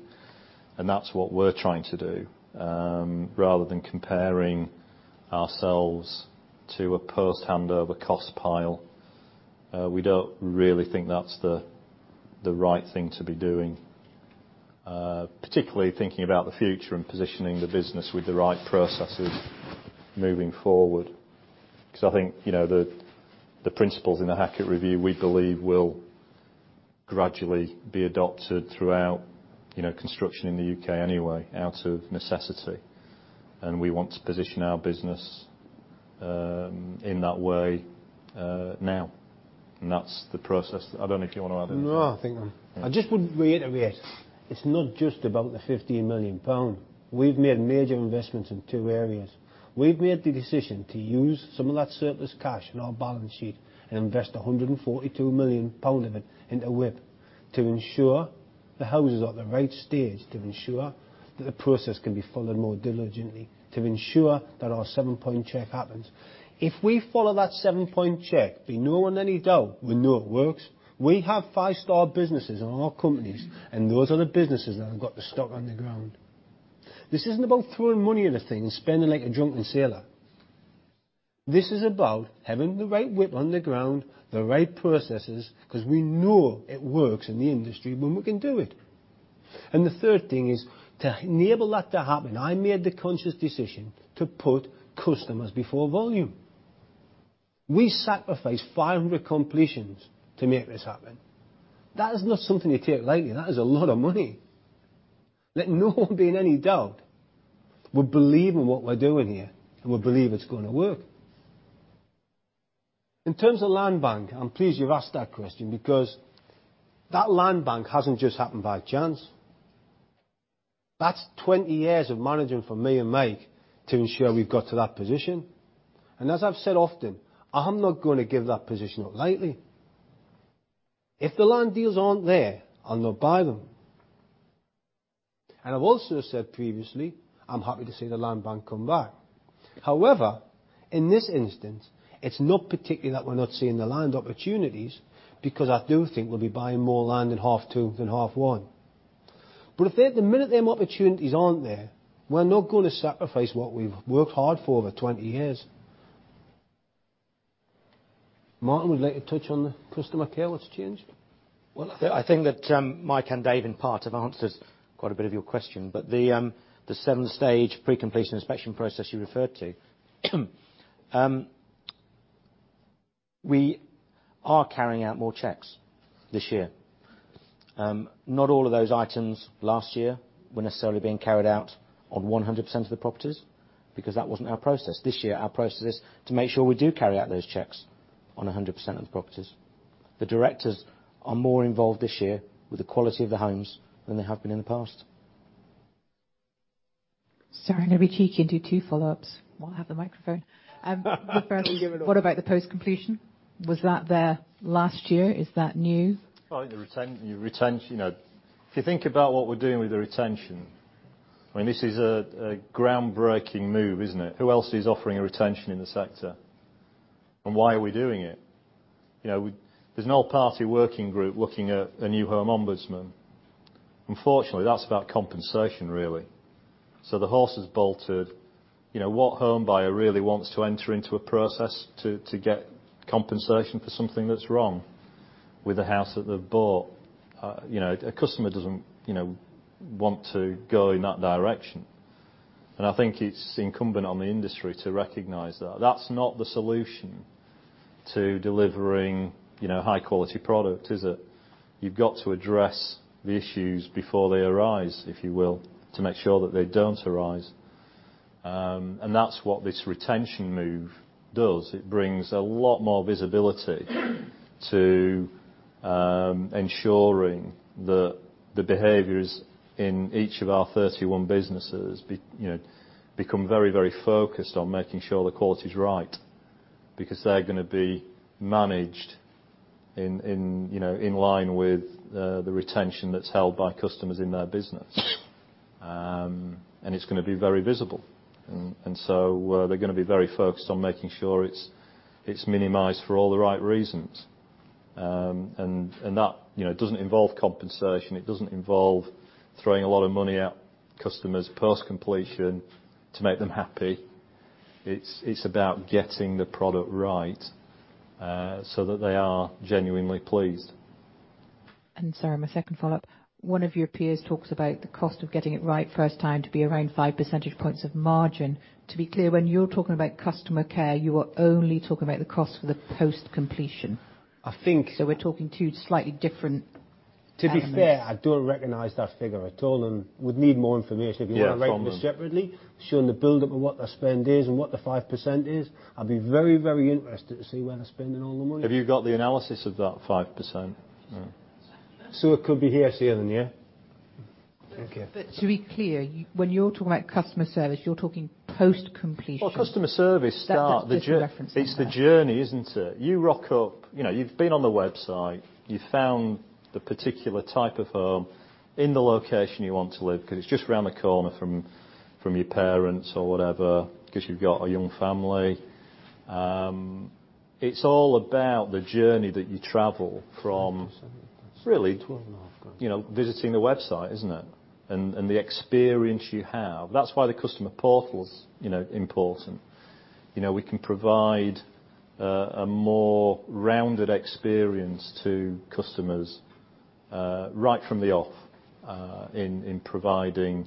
S3: That's what we're trying to do. Rather than comparing ourselves to a post-handover cost pile, we don't really think that's the right thing to be doing, particularly thinking about the future and positioning the business with the right processes moving forward. I think the principles in the Hackitt Review, we believe, will gradually be adopted throughout construction in the U.K. anyway, out of necessity. We want to position our business in that way now. That's the process. I don't know if you want to add anything.
S1: I just would reiterate, it's not just about the 15 million pound. We've made major investments in two areas. We've made the decision to use some of that surplus cash in our balance sheet and invest 142 million pound of it into WIP, to ensure the houses are at the right stage, to ensure that the process can be followed more diligently, to ensure that our seven-point check happens. If we follow that seven-point check, be no one any doubt we know it works. We have five-star businesses in all our companies, those are the businesses that have got the stock on the ground. This isn't about throwing money at a thing and spending like a drunken sailor. This is about having the right WIP on the ground, the right processes, because we know it works in the industry when we can do it. The third thing is, to enable that to happen, I made the conscious decision to put customers before volume. We sacrificed 500 completions to make this happen. That is not something you take lightly. That is a lot of money. Let no one be in any doubt, we believe in what we're doing here, and we believe it's going to work. In terms of land bank, I'm pleased you've asked that question because that land bank hasn't just happened by chance. That's 20 years of managing from me and Mike to ensure we've got to that position. As I've said often, I'm not going to give that position up lightly. If the land deals aren't there, I'll not buy them. I've also said previously, I'm happy to see the land bank come back. In this instance, it's not particularly that we're not seeing the land opportunities, because I do think we'll be buying more land in half two than half one. The minute them opportunities aren't there, we're not going to sacrifice what we've worked hard for over 20 years. Martyn, would you like to touch on the customer care that's changed?
S2: Well, I think that Mike and Dave, in part, have answered quite a bit of your question. The 7-stage pre-completion inspection process you referred to, we are carrying out more checks this year. Not all of those items last year were necessarily being carried out on 100% of the properties because that wasn't our process. This year, our process is to make sure we do carry out those checks on 100% of the properties. The directors are more involved this year with the quality of the homes than they have been in the past.
S6: Sorry, I'm going to be cheeky and do two follow-ups while I have the microphone.
S3: Give it up.
S6: The first, what about the post-completion? Was that there last year? Is that new?
S1: If you think about what we're doing with the retention, this is a groundbreaking move, isn't it? Who else is offering a retention in the sector? Why are we doing it? There's an all-party working group looking at a new home ombudsman. Unfortunately, that's about compensation, really. The horse has bolted. What homebuyer really wants to enter into a process to get compensation for something that's wrong with a house that they've bought? A customer doesn't want to go in that direction. I think it's incumbent on the industry to recognize that. That's not the solution to delivering high-quality product, is it? You've got to address the issues before they arise, if you will, to make sure that they don't arise. That's what this retention move does. It brings a lot more visibility to ensuring that the behaviors in each of our 31 businesses become very, very focused on making sure the quality's right. They're going to be managed in line with the retention that's held by customers in their business. It's going to be very visible. They're going to be very focused on making sure it's minimized for all the right reasons. That doesn't involve compensation. It doesn't involve throwing a lot of money at customers post-completion to make them happy. It's about getting the product right so that they are genuinely pleased.
S6: Sorry, my second follow-up. One of your peers talks about the cost of getting it right first time to be around five percentage points of margin. To be clear, when you're talking about customer care, you are only talking about the cost for the post-completion?
S1: I think-
S6: We're talking two slightly different elements.
S1: To be fair, I don't recognize that figure at all and would need more information.
S3: Yeah, from them.
S1: If you want to write to us separately, showing the buildup of what the spend is and what the 5% is. I'd be very, very interested to see where they're spending all the money.
S3: Have you got the analysis of that 5%? No.
S1: It could be here sooner than here. Thank you.
S6: To be clear, when you're talking about customer service, you're talking post-completion.
S3: Well, customer service.
S6: That was different referencing there.
S1: It's the journey, isn't it? You rock up. You've been on the website, you've found the particular type of home in the location you want to live, because it's just around the corner from your parents or whatever, because you've got a young family. It's all about the journey that you travel from. 270, that's GBP 12 and a half grand. really visiting the website, isn't it? The experience you have. That's why the customer portal is important. We can provide a more rounded experience to customers right from the off in providing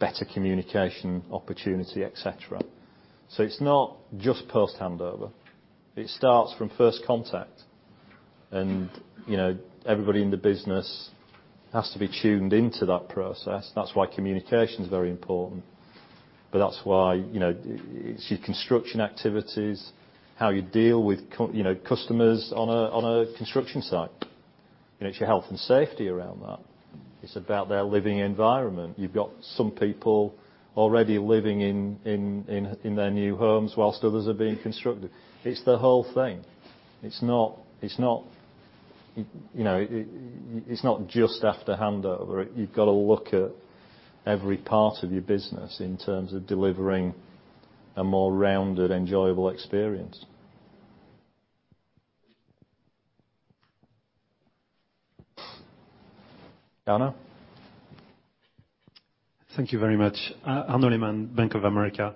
S1: better communication opportunity, et cetera. It's not just post-handover. It starts from first contact. Everybody in the business has to be tuned into that process. That's why communication's very important. That's why, it's your construction activities, how you deal with customers on a construction site. It's your health and safety around that. It's about their living environment. You've got some people already living in their new homes while others are being constructed. It's the whole thing. It's not just after handover. You've got to look at every part of your business in terms of delivering a more rounded, enjoyable experience. Arnaud?
S7: Thank you very much. Arnaud Lehmann, Bank of America.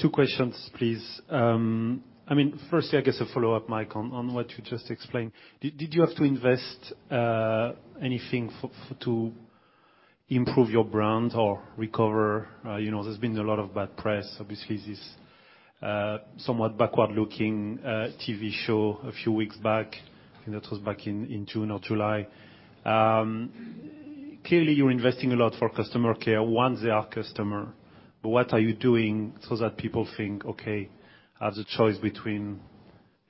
S7: Two questions, please. Firstly, I guess a follow-up, Mike, on what you just explained. Did you have to invest anything to improve your brand or recover? There's been a lot of bad press, obviously, this somewhat backward-looking TV show a few weeks back. I think that was back in June or July. Clearly, you're investing a lot for customer care once they are customer. What are you doing so that people think, okay, I have the choice between,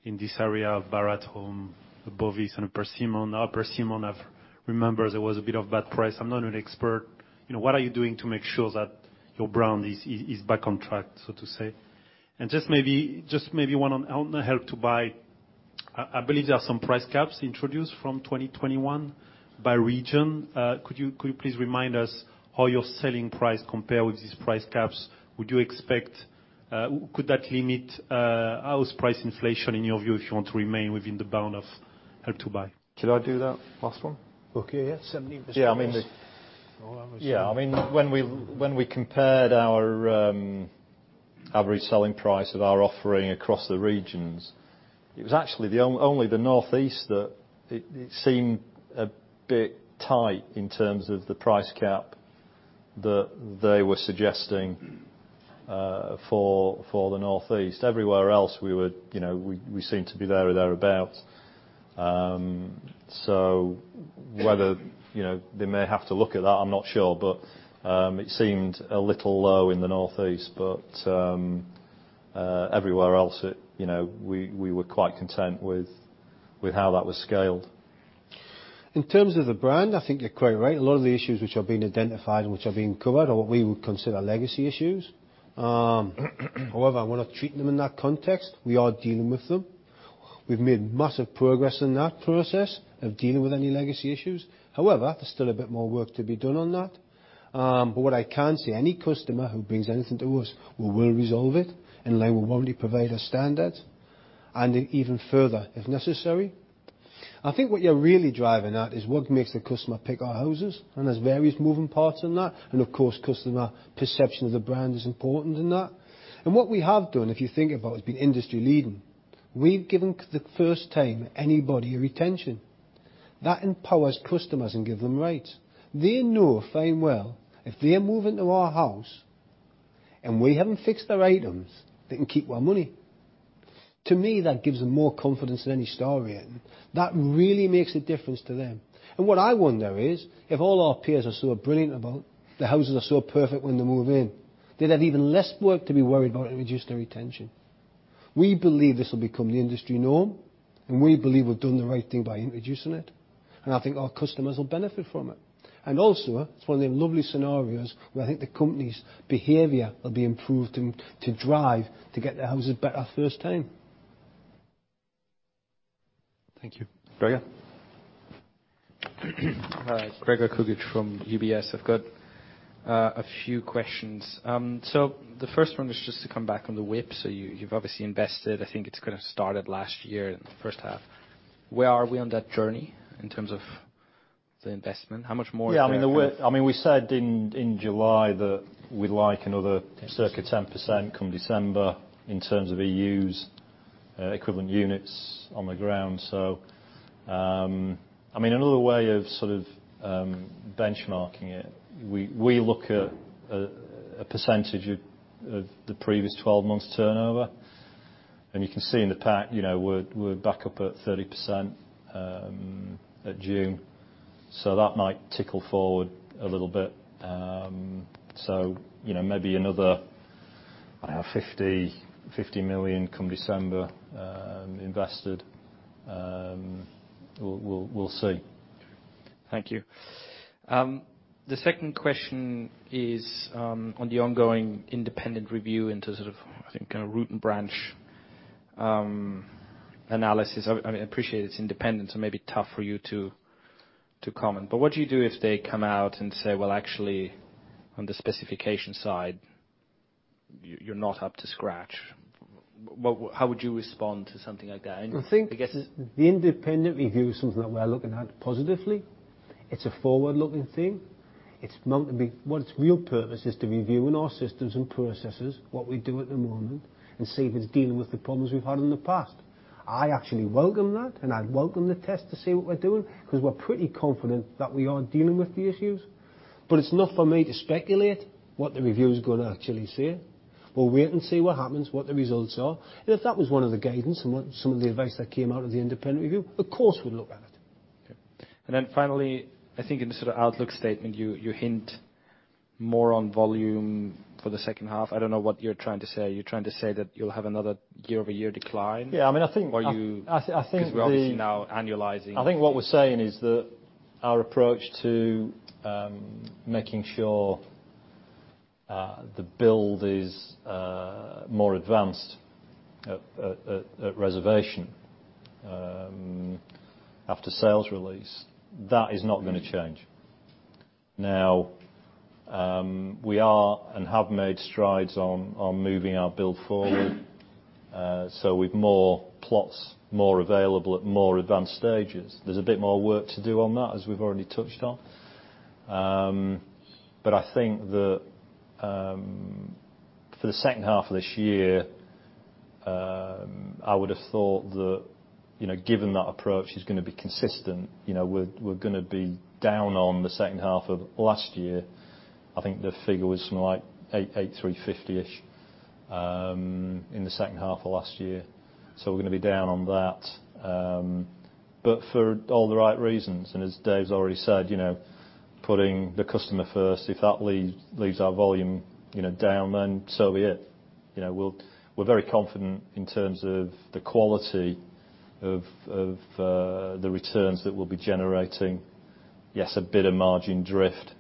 S7: in this area, Barratt Homes, Bovis and Persimmon. Now, Persimmon, I remember there was a bit of bad press. I'm not an expert. What are you doing to make sure that your brand is back on track, so to say? Just maybe one on Help to Buy. I believe there are some price caps introduced from 2021 by region. Could you please remind us how your selling price compare with these price caps? Could that limit house price inflation in your view if you want to remain within the bound of Help to Buy?
S3: Can I do that last one?
S1: Okay, yeah. Certainly.
S3: When we compared our average selling price of our offering across the regions, it was actually only the Northeast that it seemed a bit tight in terms of the price cap that they were suggesting for the Northeast. Everywhere else, we seem to be there or thereabout. Whether they may have to look at that, I'm not sure. It seemed a little low in the Northeast. Everywhere else, we were quite content with how that was scaled.
S1: In terms of the brand, I think you're quite right. A lot of the issues which have been identified and which have been covered are what we would consider legacy issues. However, I want to treat them in that context. We are dealing with them. We've made massive progress in that process of dealing with any legacy issues. However, there's still a bit more work to be done on that. What I can say, any customer who brings anything to us, we will resolve it, and they will only provide a standard and even further if necessary. I think what you're really driving at is what makes the customer pick our houses, and there's various moving parts in that. Of course, customer perception of the brand is important in that. What we have done, if you think about it, has been industry leading. We've given the first time anybody a retention. That empowers customers and give them rights. They know fine well if they move into our house and we haven't fixed their items, they can keep our money. To me, that gives them more confidence than any star rating. That really makes a difference to them. What I wonder is, if all our peers are so brilliant about the houses are so perfect when they move in, they'd have even less work to be worried about and reduce their retention. We believe this will become the industry norm, and we believe we've done the right thing by introducing it. I think our customers will benefit from it. Also, it's one of the lovely scenarios where I think the company's behavior will be improved and to drive to get their houses better first time.
S7: Thank you.
S1: Gregor.
S8: Gregor Kuglitsch from UBS. I've got a few questions. The first one is just to come back on the WIP. You've obviously invested, I think it's kind of started last year in the first half. Where are we on that journey in terms of the investment? How much more is there?
S3: We said in July that we'd like another circa 10% come December in terms of EUs, equivalent units on the ground. Another way of sort of benchmarking it, we look at a percentage of the previous 12 months turnover, and you can see in the pack, we're back up at 30% at June. That might tickle forward a little bit. Maybe another 50 million come December invested. We'll see.
S8: Thank you. The second question is on the ongoing independent review into sort of, I think, kind of root and branch analysis. I appreciate it's independent. It may be tough for you to comment. What do you do if they come out and say, "Well, actually, on the specification side, you're not up to scratch." How would you respond to something like that?
S1: I think the independent review is something that we're looking at positively. It's a forward-looking thing. Its real purpose is to review our systems and processes, what we do at the moment, and see if it's dealing with the problems we've had in the past. I actually welcome that, and I welcome the test to see what we're doing, because we're pretty confident that we are dealing with the issues. It's not for me to speculate what the review is going to actually say. We'll wait and see what happens, what the results are. If that was one of the guidance and what some of the advice that came out of the independent review, of course, we'll look at it.
S8: Okay. Then finally, I think in the sort of outlook statement you hint more on volume for the second half. I don't know what you're trying to say. You're trying to say that you'll have another year-over-year decline?
S3: Yeah, I think.
S8: Or are you-
S3: I think the-.
S8: Because we're obviously now annualizing.
S3: I think what we're saying is that our approach to making sure the build is more advanced at reservation, after sales release. That is not going to change. We are and have made strides on moving our build forward. With more plots, more available at more advanced stages, there's a bit more work to do on that, as we've already touched on. I think that for the second half of this year, I would've thought that, given that approach is going to be consistent, we're going to be down on the second half of last year. I think the figure was something like 8,350-ish, in the second half of last year. We're going to be down on that. For all the right reasons, and as Dave's already said, putting the customer first, if that leaves our volume down, then so be it. We're very confident in terms of the quality of the returns that we'll be generating. Yes, a bit of margin drift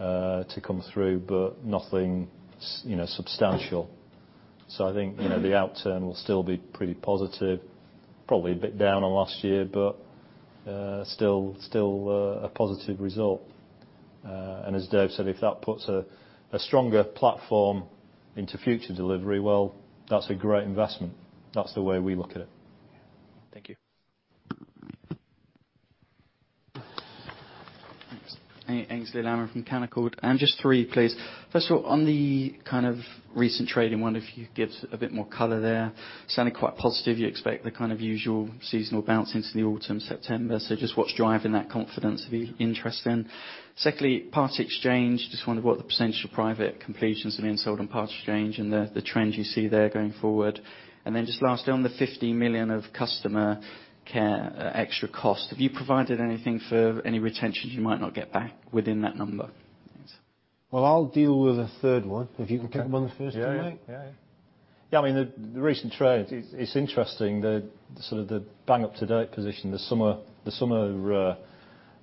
S3: to come through, but nothing substantial. I think, the outturn will still be pretty positive. Probably a bit down on last year, but still a positive result. As Dave said, if that puts a stronger platform into future delivery, well, that's a great investment. That's the way we look at it.
S8: Thank you.
S9: Aynsley Lammin from Canaccord. Just 3, please. First of all, on the kind of recent trading, wonder if you could give a bit more color there. Sounding quite positive. You expect the kind of usual seasonal bounce into the autumn, September. Just what's driving that confidence, be interested in. Secondly, Part Exchange. Just wonder what the percentage of private completions have been sold on Part Exchange and the trend you see there going forward. Then just lastly, on the 50 million of customer care, extra cost, have you provided anything for any retentions you might not get back within that number? Thanks.
S1: Well, I'll deal with the third one if you can pick up on the first two, mate.
S3: Yeah. The recent trade, it's interesting, the sort of the bang up-to-date position. The summer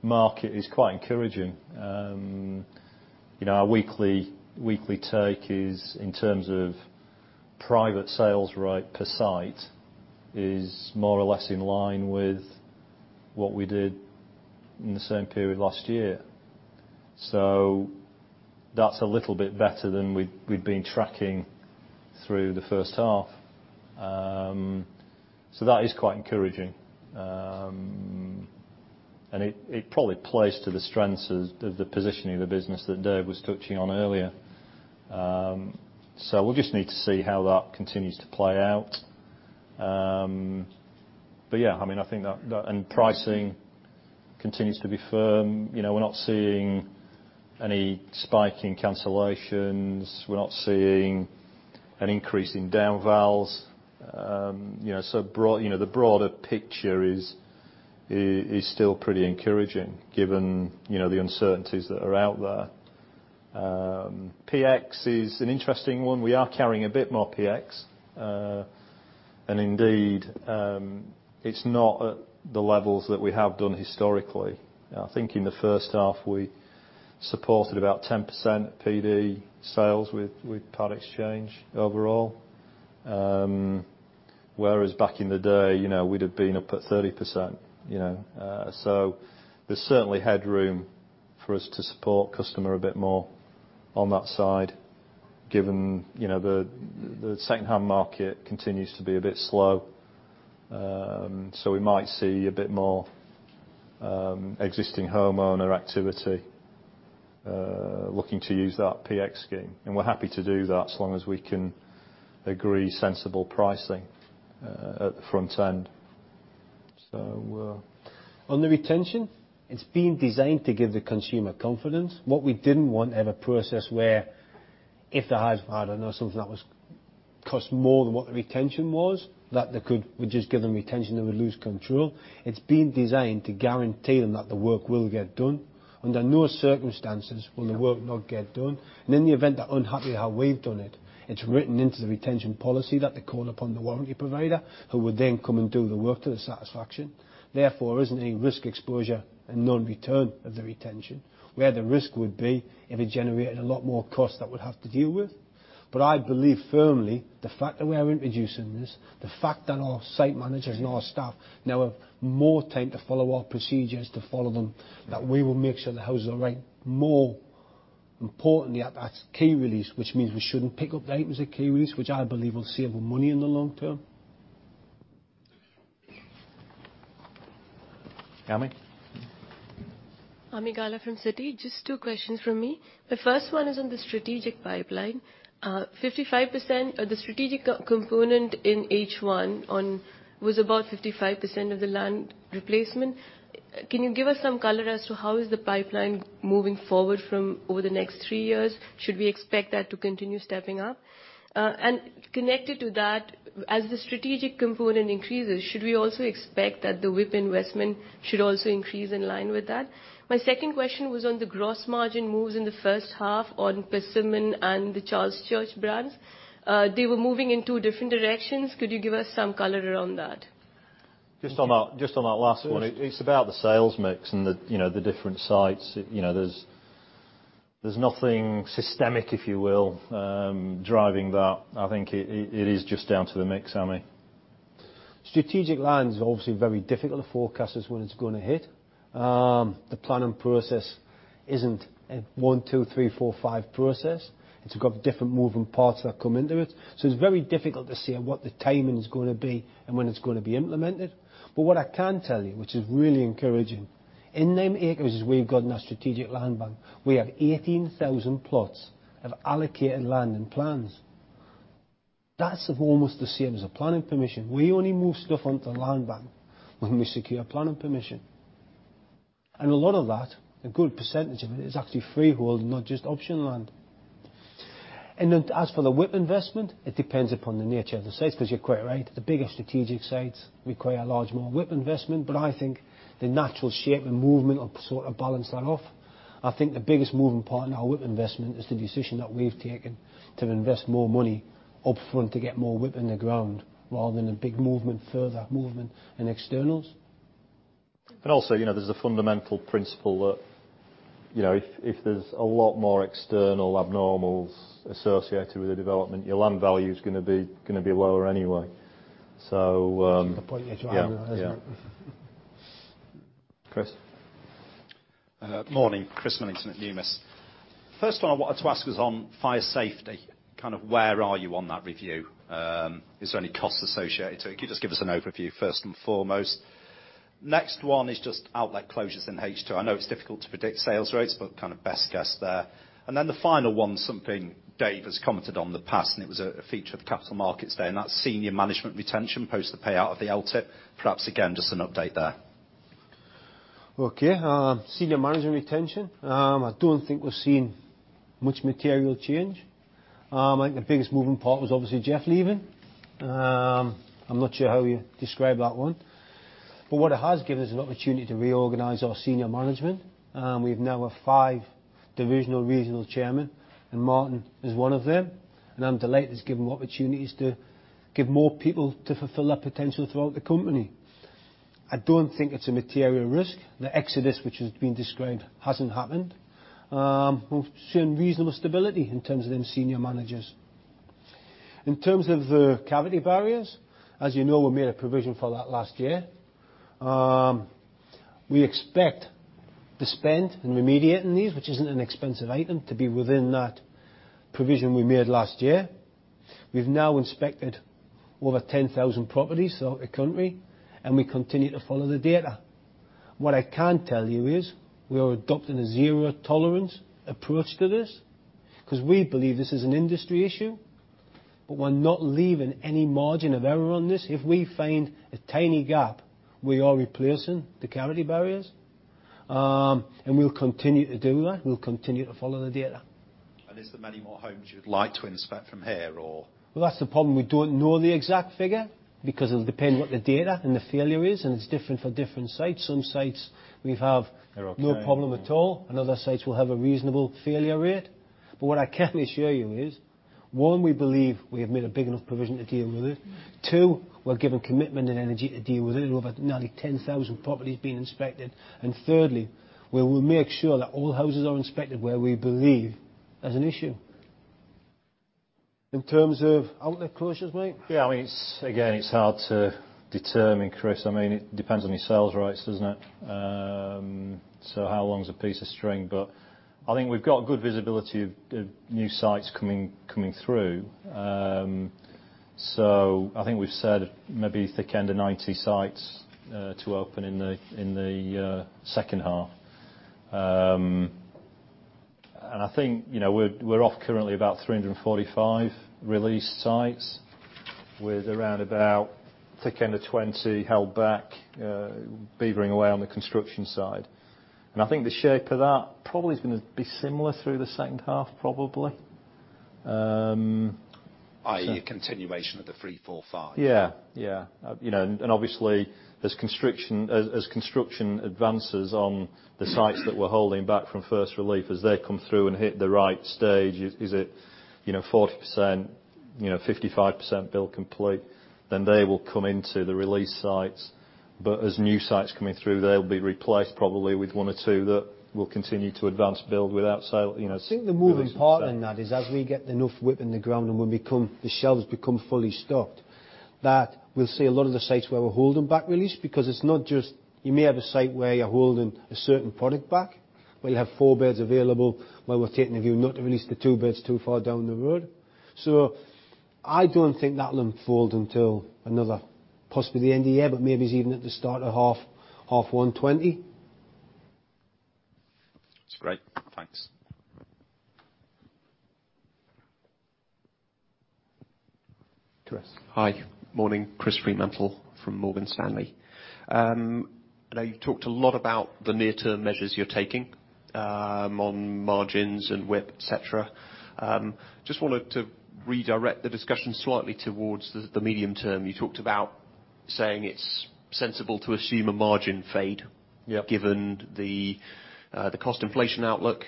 S3: market is quite encouraging. Our weekly take is in terms of private sales rate per site, is more or less in line with what we did in the same period last year. That's a little bit better than we'd been tracking through the first half. That is quite encouraging. It probably plays to the strengths of the positioning of the business that Dave was touching on earlier. We'll just need to see how that continues to play out. Yeah, and pricing continues to be firm. We're not seeing any spike in cancellations. We're not seeing an increase in down vals. The broader picture is still pretty encouraging given the uncertainties that are out there. PX is an interesting one. We are carrying a bit more PX. Indeed, it's not at the levels that we have done historically. I think in the first half we supported about 10% PX sales with part exchange overall. Back in the day, we'd have been up at 30%. There's certainly headroom for us to support customer a bit more on that side given the secondhand market continues to be a bit slow. We might see a bit more existing homeowner activity, looking to use that PX scheme. We're happy to do that as long as we can agree sensible pricing at the front end.
S1: On the retention, it's been designed to give the consumer confidence. What we didn't want, have a process where if the house had, I don't know, something that was cost more than what the retention was, that they could, we just give them retention, they would lose control. It's been designed to guarantee them that the work will get done. Under no circumstances will the work not get done. In the event they're unhappy how we've done it's written into the retention policy that they call upon the warranty provider, who would then come and do the work to their satisfaction. Therefore, there isn't any risk exposure and non-return of the retention. Where the risk would be if it generated a lot more cost that we'd have to deal with. I believe firmly the fact that we are introducing this, the fact that our site managers and our staff now have more time to follow our procedures, to follow them, that we will make sure the house is all right. More importantly at key release, which means we shouldn't pick up items at key release, which I believe will save money in the long term.
S8: Ami.
S10: Ami Galla from Citi. Just two questions from me. The first one is on the strategic pipeline. 55% of the strategic component in H1 was about 55% of the land replacement. Can you give us some color as to how is the pipeline moving forward from over the next three years? Should we expect that to continue stepping up? Connected to that, as the strategic component increases, should we also expect that the WIP investment should also increase in line with that? My second question was on the gross margin moves in the first half on Persimmon and the Charles Church brands. They were moving in two different directions. Could you give us some color around that?
S3: Just on that last one, it's about the sales mix and the different sites. There's nothing systemic, if you will, driving that. I think it is just down to the mix, Ami.
S1: Strategic land is obviously very difficult to forecast as when it's going to hit. The planning process isn't a one, two, three, four, five process. It's got different moving parts that come into it. It's very difficult to say on what the timing is going to be and when it's going to be implemented. What I can tell you, which is really encouraging, in named acres we've got in our strategic land bank, we have 18,000 plots of allocated land and plans. That's almost the same as the planning permission. We only move stuff onto the land bank when we secure planning permission. A lot of that, a good percentage of it, is actually freehold, not just option land. Then as for the WIP investment, it depends upon the nature of the sites, because you're quite right. The bigger strategic sites require large more WIP investment. I think the natural shape and movement will sort of balance that off. I think the biggest moving part in our WIP investment is the decision that we've taken to invest more money up front to get more WIP in the ground, rather than a big further movement in externals.
S3: There's a fundamental principle that if there's a lot more external abnormals associated with the development, your land value is going to be lower anyway.
S1: It's a good point you're trying to make, isn't it?
S3: Yeah. Chris?
S11: Morning, Chris Millington at Numis. First one I wanted to ask was on fire safety. Kind of where are you on that review? Is there any costs associated to it? Could you just give us an overview first and foremost? Next one is just outlet closures in H2. I know it's difficult to predict sales rates, but kind of best guess there. The final one, something Dave has commented on in the past, and it was a feature of Capital Markets Day, and that's senior management retention post the payout of the LTIP. Perhaps again, just an update there.
S1: Okay. Senior management retention. I don't think we're seeing much material change. I think the biggest moving part was obviously Jeff leaving. I'm not sure how you describe that one. What it has given us an opportunity to reorganize our senior management. We now have five divisional regional chairman, and Martyn is one of them, and I'm delighted it's given opportunities to give more people to fulfill their potential throughout the company. I don't think it's a material risk. The exodus, which has been described, hasn't happened. We've seen reasonable stability in terms of them senior managers. In terms of the cavity barriers, as you know, we made a provision for that last year. We expect the spend in remediating these, which isn't an expensive item, to be within that provision we made last year. We've now inspected over 10,000 properties throughout the country. We continue to follow the data. What I can tell you is we are adopting a zero tolerance approach to this because we believe this is an industry issue. We're not leaving any margin of error on this. If we find a tiny gap, we are replacing the cavity barriers. We'll continue to do that. We'll continue to follow the data.
S11: Is there many more homes you'd like to inspect from here or?
S1: Well, that's the problem. We don't know the exact figure because it'll depend what the data and the factor is, and it's different for different sites.
S3: They're okay.
S1: No problem at all. Other sites will have a reasonable failure rate. What I can assure you is, one, we believe we have made a big enough provision to deal with it. Two, we're giving commitment and energy to deal with it with over nearly 10,000 properties being inspected. Thirdly, we will make sure that all houses are inspected where we believe there's an issue. In terms of outlet closures, mate?
S3: It's hard to determine, Chris. It depends on your sales rights, doesn't it? How long is a piece of string, but I think we've got good visibility of new sites coming through. I think we've said maybe thick end of 90 sites to open in the second half. I think we're off currently about 345 released sites with around about thick end of 20 held back, beavering away on the construction side. I think the shape of that probably is going to be similar through the second half probably.
S11: I.e. a continuation of the 345.
S3: Yeah. Obviously as construction advances on the sites that we're holding back from first release, as they come through and hit the right stage, is it 40%, 55% build complete, then they will come into the release sites. As new sites coming through, they'll be replaced probably with one or two that will continue to advance build without sale.
S1: I think the moving part in that is as we get enough WIP in the ground and when the shelves become fully stocked, that we'll see a lot of the sites where we're holding back release because it's not just you may have a site where you're holding a certain product back, where you have 4 beds available, where we're taking a view not to release the 2 beds too far down the road. I don't think that'll unfold until another possibly the end of year, but maybe it's even at the start of H1 2020.
S11: That's great. Thanks.
S3: Chris.
S12: Hi. Morning, Christopher Fremantle from Morgan Stanley. I know you've talked a lot about the near-term measures you're taking on margins and WIP, et cetera. Wanted to redirect the discussion slightly towards the medium term. You talked about saying it's sensible to assume a margin fade.
S3: Yeah
S12: given the cost inflation outlook.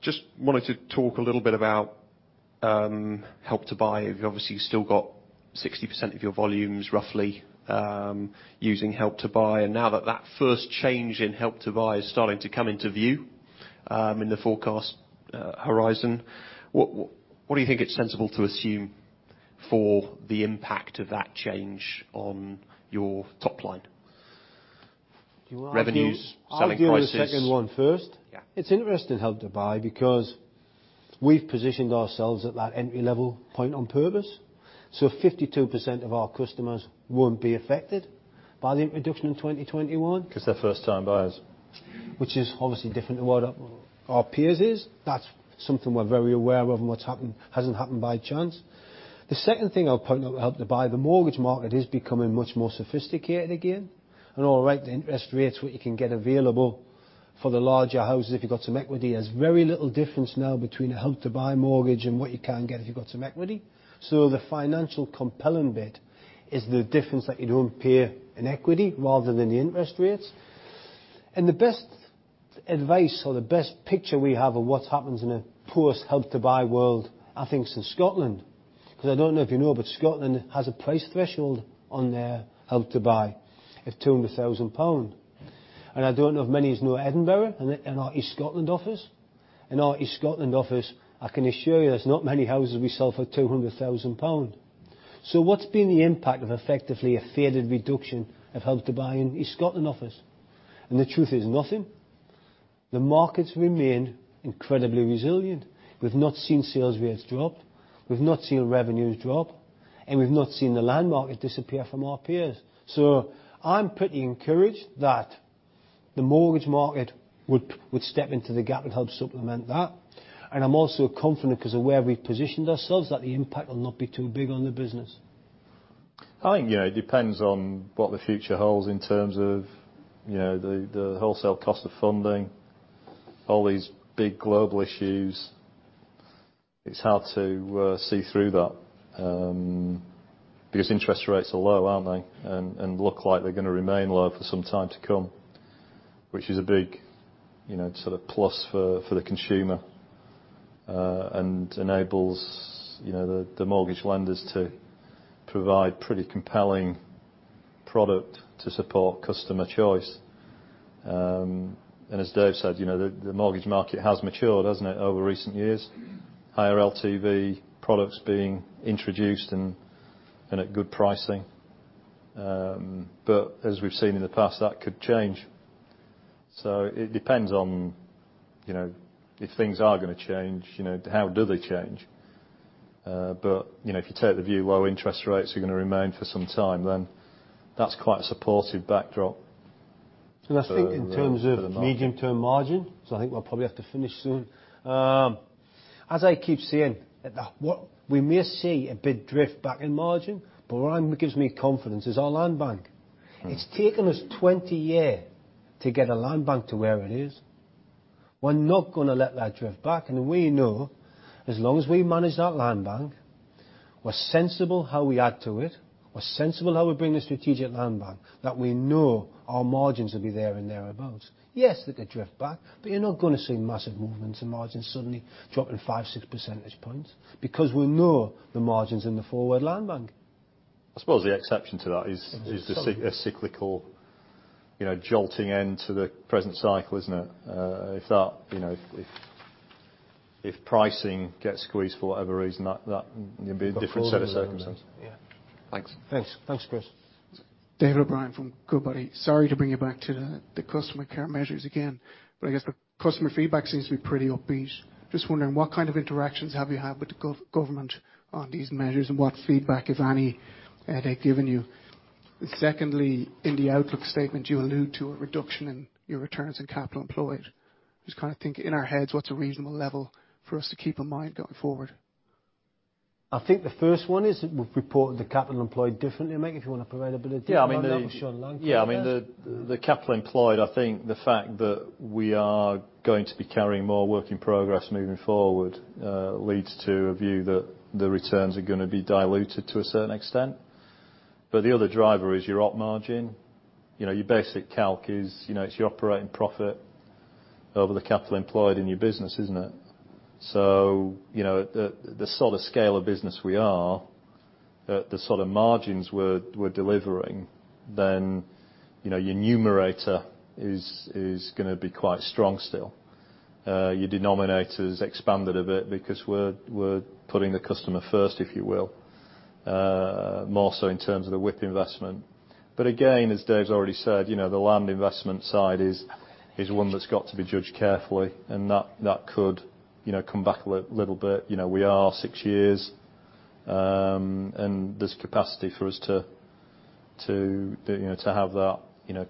S12: Just wanted to talk a little bit about Help to Buy. You've obviously still got 60% of your volumes, roughly, using Help to Buy. Now that that first change in Help to Buy is starting to come into view, in the forecast horizon, what do you think it's sensible to assume for the impact of that change on your top line?
S3: Do you want to-
S12: Revenues, selling prices.
S3: I'll give you the second one first.
S12: Yeah.
S3: It's interesting, Help to Buy, because we've positioned ourselves at that entry-level point on purpose, so 52% of our customers won't be affected by the introduction in 2021. Because they're first-time buyers.
S1: Which is obviously different to what our peers are. That's something we're very aware of and what's happened, hasn't happened by chance. The second thing I'll point out with Help to Buy, the mortgage market is becoming much more sophisticated again. All right, the interest rates what you can get available for the larger houses if you've got some equity, there's very little difference now between a Help to Buy mortgage and what you can get if you've got some equity. The financial compelling bit is the difference that you don't pay in equity rather than the interest rates. The best advice or the best picture we have of what happens in a post-Help to Buy world, I think, is in Scotland. I don't know if you know, but Scotland has a price threshold on their Help to Buy of 200,000 pound. I don't know if many of yous know Edinburgh and our East Scotland office. In our East Scotland office, I can assure you there's not many houses we sell for £200,000. What's been the impact of effectively a faded reduction of Help to Buy in East Scotland office? The truth is nothing. The markets remain incredibly resilient. We've not seen sales rates drop. We've not seen revenues drop, and we've not seen the land market disappear from our peers. I'm pretty encouraged that the mortgage market would step into the gap and help supplement that. I'm also confident because of where we've positioned ourselves, that the impact will not be too big on the business.
S3: I think, yeah, it depends on what the future holds in terms of the wholesale cost of funding, all these big global issues. It's hard to see through that, because interest rates are low, aren't they? Look like they're going to remain low for some time to come, which is a big sort of plus for the consumer, and enables the mortgage lenders to provide pretty compelling product to support customer choice. As Dave said, the mortgage market has matured, hasn't it, over recent years? Higher LTV products being introduced and at good pricing. As we've seen in the past, that could change. It depends on if things are gonna change, how do they change? If you take the view low interest rates are gonna remain for some time, then that's quite a supportive backdrop for the market.
S1: I think in terms of medium-term margin, so I think we'll probably have to finish soon. As I keep saying, we may see a big drift back in margin, but what gives me confidence is our land bank. It's taken us 20 year to get a land bank to where it is. We're not gonna let that drift back, and we know as long as we manage that land bank, we're sensible how we add to it, we're sensible how we bring the strategic land bank, that we know our margins will be there and thereabouts. Yes, they could drift back, but you're not going to see massive movements in margins suddenly dropping five, six percentage points because we know the margins in the forward land bank.
S3: I suppose the exception to that is-
S1: Sorry A cyclical jolting end to the present cycle, isn't it? If pricing gets squeezed for whatever reason, that may be a different set of circumstances.
S12: Yeah. Thanks.
S3: Thanks, Chris.
S13: David O'Brien from Goodbody. Sorry to bring you back to the customer care measures again, but I guess the customer feedback seems to be pretty upbeat. Just wondering, what kind of interactions have you had with the government on these measures and what feedback, if any, have they given you? Secondly, in the outlook statement you allude to a reduction in your returns on capital employed. Just kind of think in our heads, what's a reasonable level for us to keep in mind going forward?
S3: I think the first one is we've reported the capital employed differently, Mike, if you want to provide a bit of detail on that one, yeah, the capital employed, I think the fact that we are going to be carrying more work in progress moving forward, leads to a view that the returns are gonna be diluted to a certain extent. The other driver is your op margin. Your basic calc is it's your operating profit over the capital employed in your business, isn't it? The sort of scale of business we are, the sort of margins we're delivering, then your numerator is gonna be quite strong still. Your denominator's expanded a bit because we're putting the customer first, if you will. More so in terms of the WIP investment. Again, as Dave's already said, the land investment side is one that's got to be judged carefully, and that could come back a little bit. We are six years, there's capacity for us to have that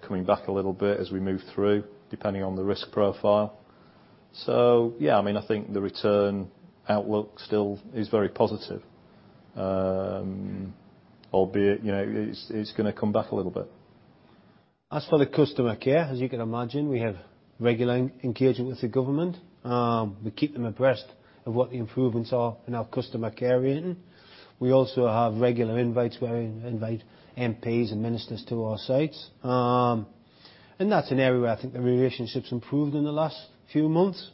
S3: coming back a little bit as we move through, depending on the risk profile. Yeah, I think the return outlook still is very positive. Albeit, it's going to come back a little bit.
S1: As for the customer care, as you can imagine, we have regular engagement with the government. We keep them abreast of what the improvements are in our customer care unit. We also have regular invites where we invite MPs and ministers to our sites. That's an area where I think the relationship's improved in the last few months.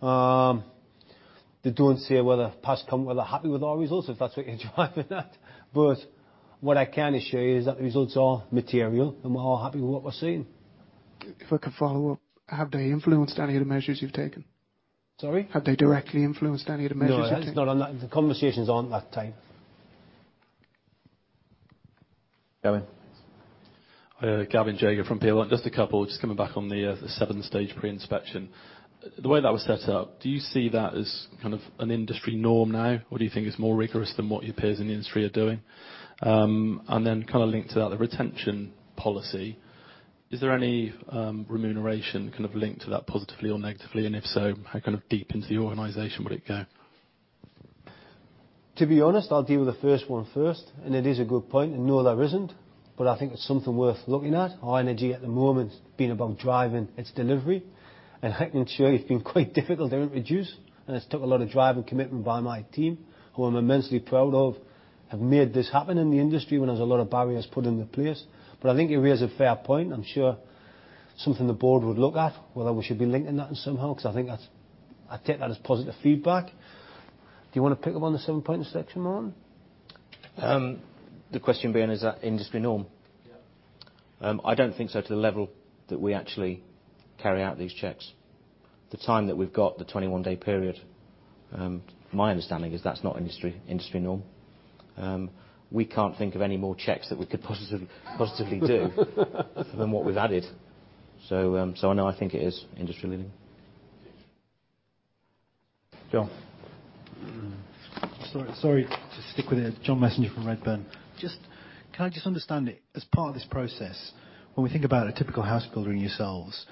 S1: They don't say whether Persimmon were happy with our results, if that's what you're driving at. What I can assure you is that the results are material, and we're all happy with what we're seeing.
S13: If I could follow up, have they influenced any of the measures you've taken?
S1: Sorry?
S13: Have they directly influenced any of the measures you've taken?
S1: No. The conversations aren't that tight.
S3: Gavin.
S14: Hi. Gavin Jago from Peel Hunt. Just coming back on the 7-stage pre-inspection. The way that was set up, do you see that as kind of an industry norm now? Or do you think it's more rigorous than what your peers in the industry are doing? Linked to that, the retention policy, is there any remuneration linked to that positively or negatively? If so, how deep into the organization would it go?
S1: To be honest, I'll deal with the first one first. It is a good point, and no, there isn't. I think it's something worth looking at. Our energy at the moment has been about driving its delivery and hitting sure it's been quite difficult to reduce, and it's took a lot of drive and commitment by my team, who I'm immensely proud of, have made this happen in the industry when there's a lot of barriers put into place. I think it raises a fair point. I'm sure something the board would look at, whether we should be linking that somehow, because I take that as positive feedback. Do you want to pick up on the seven-point section, Martyn?
S2: The question being, is that industry norm?
S14: Yeah.
S2: I don't think so to the level that we actually carry out these checks. The time that we've got, the 21-day period, my understanding is that's not industry norm. We can't think of any more checks that we could positively do than what we've added. No, I think it is industry leading.
S3: John.
S15: Sorry to stick with you. John Messenger from Redburn. Can I just understand it, as part of this process, when we think about a typical house builder and yourselves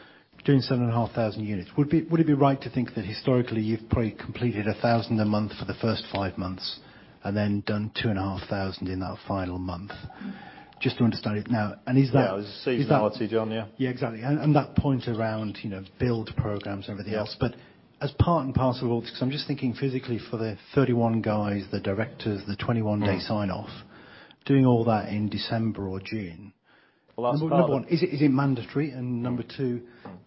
S15: doing 7,500 units, would it be right to think that historically you've probably completed 1,000 a month for the first five months and then done 2,500 in that final month? Just to understand it now.
S3: Yeah, it was seasonality, John. Yeah.
S15: Yeah, exactly, and that point around build programs and everything else.
S3: Yeah.
S15: As part and parcel of all this, because I'm just thinking physically for the 31 guys, the directors, the 21-day sign-off, doing all that in December or June.
S3: Well, that's part of.
S15: Number one, is it mandatory? Number two,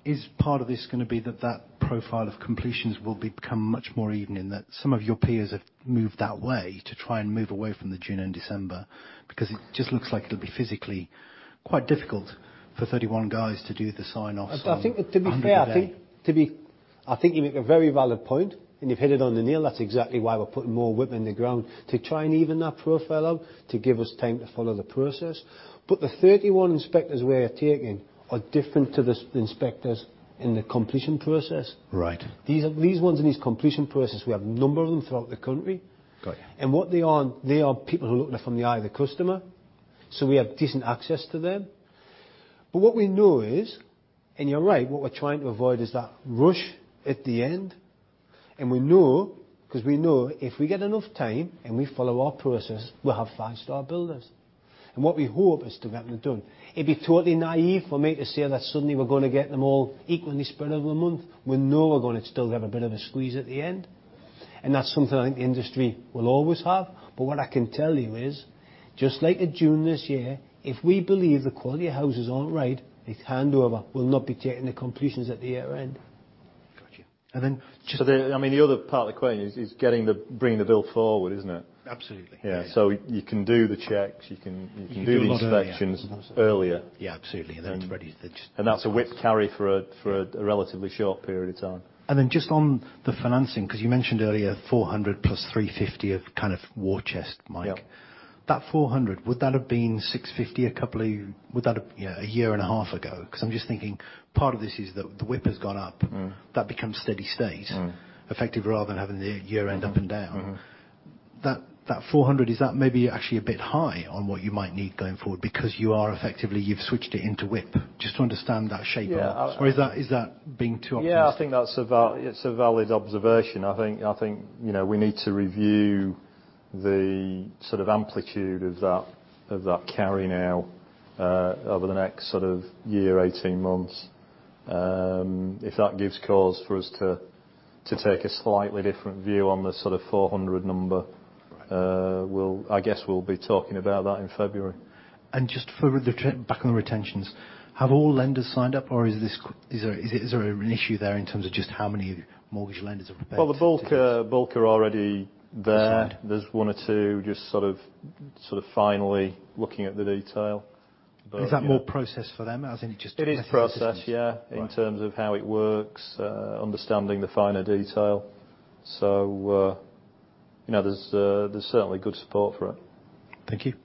S15: is part of this going to be that profile of completions will become much more even in that some of your peers have moved that way to try and move away from the June and December, because it just looks like it'll be physically quite difficult for 31 guys to do the sign-offs on 100 a day.
S1: To be fair, I think you make a very valid point, and you've hit it on the nail. That's exactly why we're putting more WIP in the ground to try and even that profile out to give us time to follow the process. The 31 inspectors we are taking are different to the inspectors in the completion process.
S15: Right.
S1: These ones in this completion process, we have a number of them throughout the country.
S15: Got you.
S1: What they are, they are people who are looking at it from the eye of the customer. We have decent access to them. What we know is, and you're right, what we're trying to avoid is that rush at the end. We know, because we know if we get enough time and we follow our process, we'll have five-star builders. What we hope is to get them done. It'd be totally naive for me to say that suddenly we're going to get them all equally spread over the month. We know we're going to still have a bit of a squeeze at the end. That's something I think the industry will always have. What I can tell you is, just like in June this year, if we believe the quality of houses aren't right, it's handover, we'll not be taking the completions at the year-end.
S15: Got you.
S3: The other part of the equation is bringing the build forward, isn't it?
S1: Absolutely.
S3: Yeah. You can do the checks, you can do the inspections earlier.
S1: Yeah, absolutely. It's ready.
S3: That's a WIP carry for a relatively short period of time.
S15: Just on the financing, because you mentioned earlier 400 plus 350 of kind of war chest, Mike.
S1: Yep.
S15: That 400, would that have been 650 a year and a half ago? I'm just thinking part of this is the WIP has gone up. That becomes steady state. effective rather than having the year-end up and down. That 400, is that maybe actually a bit high on what you might need going forward because you are effectively, you've switched it into WIP? Just to understand that shape.
S3: Yeah.
S15: Is that being too optimistic?
S3: Yeah, I think that's a valid observation. I think we need to review the sort of amplitude of that carry now over the next sort of year, 18 months. If that gives cause for us to take a slightly different view on the sort of 400 number, I guess we'll be talking about that in February.
S15: Just back on the retentions, have all lenders signed up, or is there an issue there in terms of just how many mortgage lenders have agreed to this?
S3: Well, the bulk are already there.
S15: This side.
S3: There's one or two just sort of finally looking at the detail.
S15: Is that more process for them?
S3: It is process, yeah.
S15: method of business.
S3: In terms of how it works, understanding the finer detail. There's certainly good support for it.
S15: Thank you.